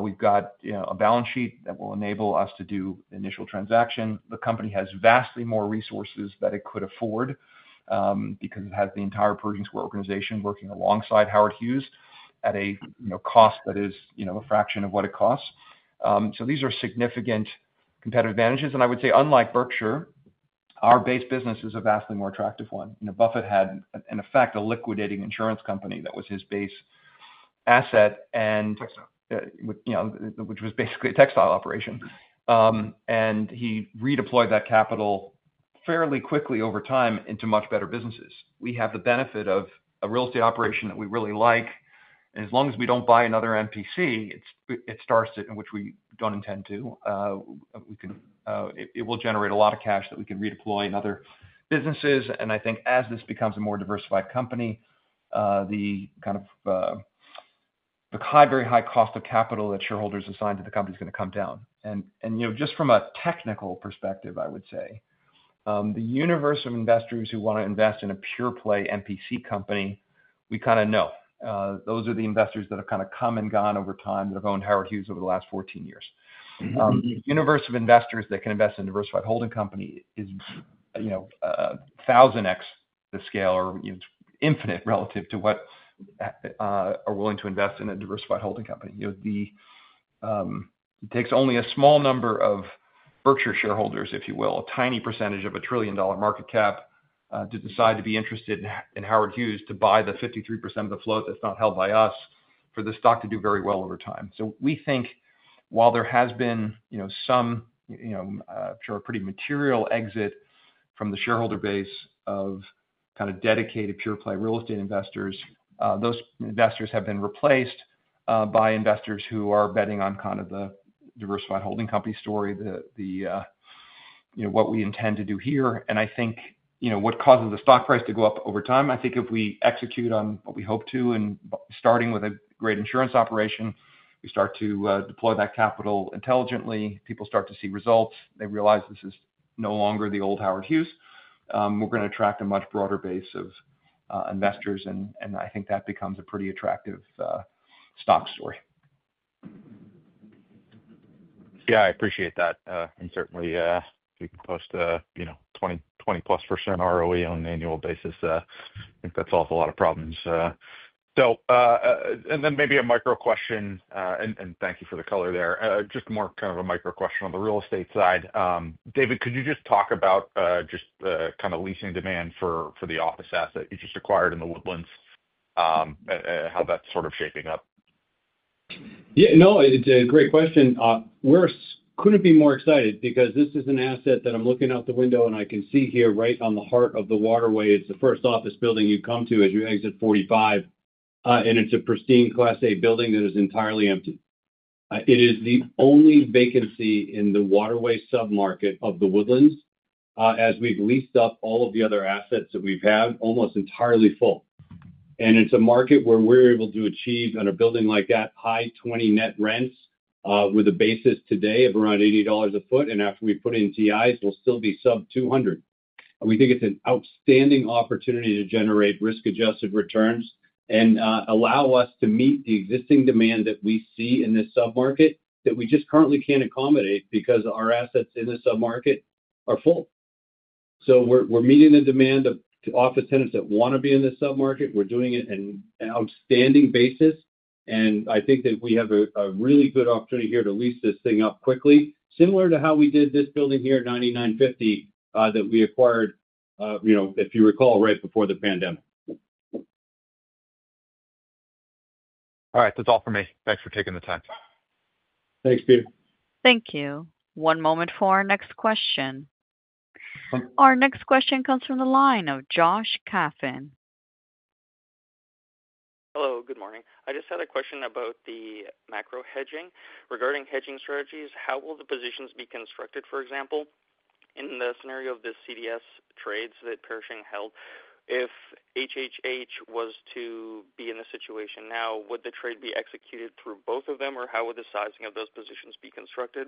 [SPEAKER 5] We've got a balance sheet that will enable us to do initial transaction. The company has vastly more resources that it could afford because it has the entire Pershing Square organization working alongside Howard Hughes at a cost that is a fraction of what it costs. These are significant competitive advantages. I would say unlike Berkshire Hathaway, our base business is a vastly more attractive one. Buffett had, in effect, a liquidating insurance company that was his base asset, which was basically a textile operation. He redeployed that capital fairly quickly over time into much better businesses. We have the benefit of a real estate operation that we really like. As long as we don't buy another Master Planned Community, which we don't intend to, it will generate a lot of cash that we can redeploy in other businesses. I think as this becomes a more diversified company, the very high cost of capital that shareholders assigned to the company is going to come down. Just from a technical perspective, I would say the universe of investors who want to invest in a pure play MPC company, we know those are the investors that have come and gone over time that have owned Howard Hughes over the last 14 years. The universe of investors that can invest in a diversified holding company is thousand x the scale or infinite relative to what are willing to invest in a diversified holding company. It takes only a small number of Berkshire Hathaway shareholders, if you will, a tiny percentage of a trillion dollar market cap to decide to be interested in Howard Hughes to buy the 53% of the float that's not held by us for the stock to do very well over time. We think while there has been some pretty material exit from the shareholder base of kind of dedicated pure play real estate investors, those investors have been replaced by investors who are betting on kind of the diversified holding company story. What we intend to do here is what causes the stock price to go up over time. I think if we execute on what we hope to, and starting with a great insurance operation, we start to deploy that capital intelligently, people start to see results. They realize this is no longer the old Howard Hughes We're going to attract a much broader base of investors. I think that becomes a pretty attractive stock story. Yeah, I appreciate that. Certainly, we post, you know, 20% to 20+% ROE on an annual basis. I think that solves a lot of problems. So.
[SPEAKER 10] Thank you for the color there. Just more kind of a micro question on the real estate side. David, could you just talk about the kind of leasing demand for the office asset you just acquired in the Woodlands, how that's sort of shaping up?
[SPEAKER 3] Yeah, no, it's a great question. We couldn't be more excited because this is an asset that I'm looking out the window and I can see here, right on the heart of the Waterway. It's the first office building you come to as you exit 45, and it's a pristine Class A building that is entirely empty. It is the only vacancy in the Waterway submarket of the Woodlands, as we've leased up all of the other assets that we've had almost entirely full. It's a market where we're able to achieve on a building like that, high 20 net rents with a basis today of around $80 a foot. After we put in TI's, we'll still be sub $200. We think it's an outstanding opportunity to generate risk-adjusted returns and allow us to meet the existing demand that we see in this submarket that we just currently can't accommodate because our assets in the submarket are full. We're meeting the demand of office tenants that want to be in the submarket. We're doing it at an outstanding basis. I think that we have a really good opportunity here to lease this thing up quickly, similar to how we did this building here, 9950, that we acquired, you know, if you recall, right before the pandemic.
[SPEAKER 2] All right, that's all for me.
[SPEAKER 5] Thanks for taking the time. Thanks, Peter.
[SPEAKER 1] Thank you. One moment for our next question. Our next question comes from the line of Josh Kaffen. Hello. Good morning. I just had a question about the macro hedging. Regarding hedging strategies. How will the positions be constructed? For example, in the scenario of the. CDS trades that Pershing held, if HHH Was to be in this situation now. Would the trade execute through both of. Them or how would the sizing of those positions be constructed?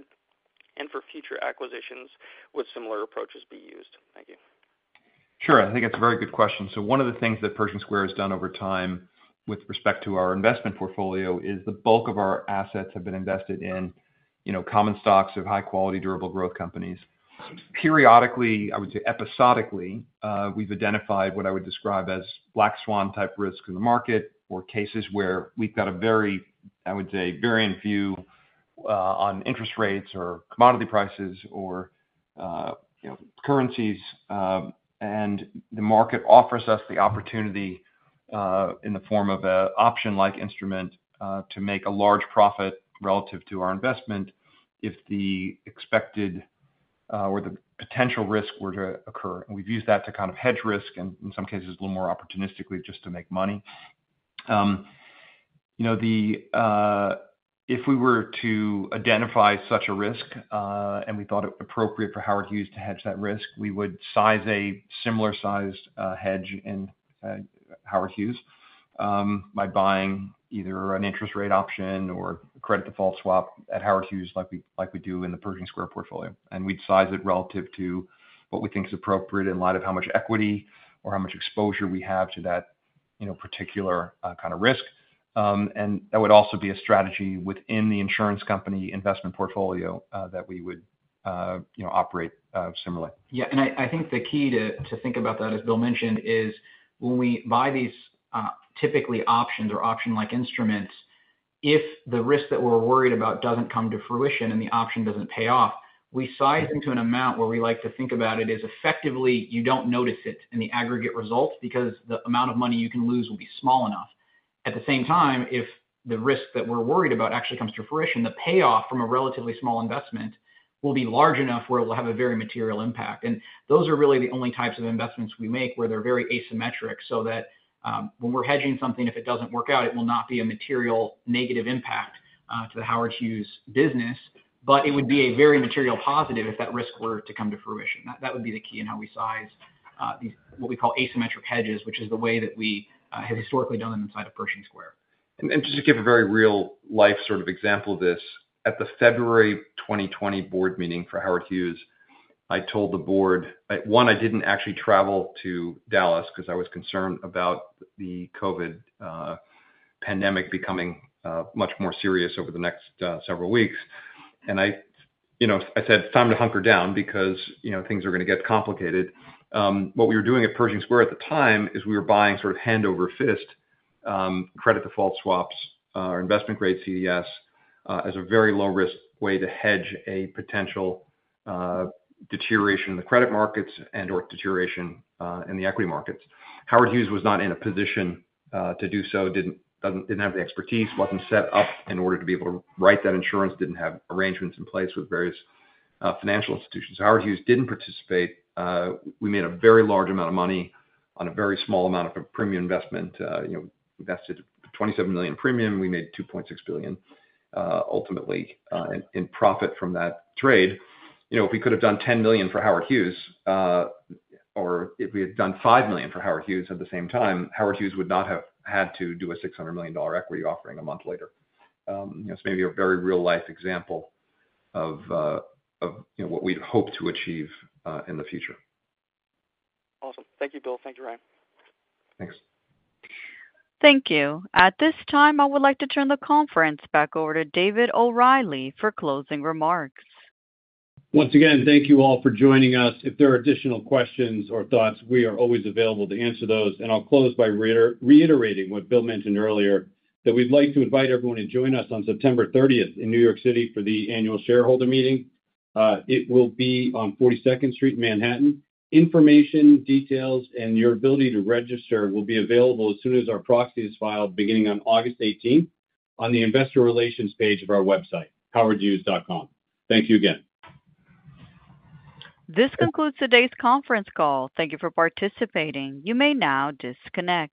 [SPEAKER 1] For future acquisitions, would similar approaches be used? Thank you.
[SPEAKER 5] Sure. I think it's a very good question. One of the things that Pershing Square has done over time with respect to our investment portfolio is the bulk of our assets have been invested in common stocks of high quality, durable growth companies. Periodically, I would say episodically, we've identified what I would describe as black swan type risk in the market or cases where we've got a very, I would say, variant view on interest rates or commodity prices or currencies and the market offers us the opportunity in the form of an option-like instrument to make a large profit relative to our investment if the expected or the potential risk were to occur. We've used that to kind of hedge risk and in some cases a little more opportunistically just to make money. If we were to identify such a risk and we thought it appropriate for Howard Hughes to hedge that risk, we would size a similar sized hedge in Howard Hughes by buying either an interest rate option or credit default swap at Howard Hughes, like we do in the Pershing Square portfolio. We'd size it relative to what we think is appropriate in light of how much equity or how much exposure we have to that particular kind of risk. That would also be a strategy within the insurance company investment portfolio that we would operate similarly.
[SPEAKER 8] Yeah, I think the key to think about that, as Bill mentioned, is when we buy these typically options or option-like instruments, if the risk that we're worried about doesn't come to fruition and the option doesn't pay off, we sized into an amount where we like to think about it is effectively you don't notice it in the aggregate results because the amount of money you can lose will be small enough. At the same time, if the risk that we're worried about actually comes to fruition, the payoff from a relatively small investment will be large enough where it will have a very material impact. Those are really the only types of investments we make where they're very asymmetric. When we're hedging something, if it doesn't work out, it will not be a material negative impact to the Howard Hughes business, but it would be a very material positive if that risk were to come to fruition. That would be the key. How we size these, what we call asymmetric hedges, is the way that we have historically done them inside of Pershing Square.
[SPEAKER 5] To give a very real life sort of example of this, at the February 2020 board meeting for Howard Hughes, I told the board, one, I didn't actually travel to Dallas because I was concerned about the COVID pandemic becoming much more serious over the next several weeks. I said it's time to hunker down because things are going to get complicated. What we were doing at Pershing Square Capital Management at the time is we were buying hand over fist, credit default swaps, investment grade CDS as a very low risk way to hedge a potential deterioration in the credit markets and or deterioration in the equity markets. Howard Hughes was not in a position to do so, didn't have the expertise, wasn't set up in order to be able to write that insurance, didn't have arrangements in place with various financial institutions. Howard Hughes didn't participate. We made a very large amount of money on a very small amount of premium investment. That's a $27 million premium. We made $2.6 billion ultimately in profit from that trade. If we could have done $10 million for Howard Hughes or if we had done $5 million for Howard Hughes at the same time, Howard Hughes would not have had to do a $600 million equity offering a month later. It's maybe a very real life example of what we'd hope to achieve in the future. Awesome. Thank you, Bill.
[SPEAKER 3] Thank you, Ryan.
[SPEAKER 5] Thanks.
[SPEAKER 1] Thank you. At this time, I would like to turn the conference back over to David O’Reilly for closing remarks.
[SPEAKER 3] Once again, thank you all for joining us. If there are additional questions or thoughts, we are always available to answer those. I'll close by reiterating what Bill mentioned earlier, that we'd like to invite everyone to join us on September 30th in New York City for the annual shareholder meeting. It will be on 42nd Street in Manhattan. Information, details, and your ability to register will be available as soon as our proxy is filed, beginning on August 18th on the Investor Relations page of our website, HowardHughes.com. Thank you again.
[SPEAKER 1] This concludes today's conference call. Thank you for participating. You may now disconnect.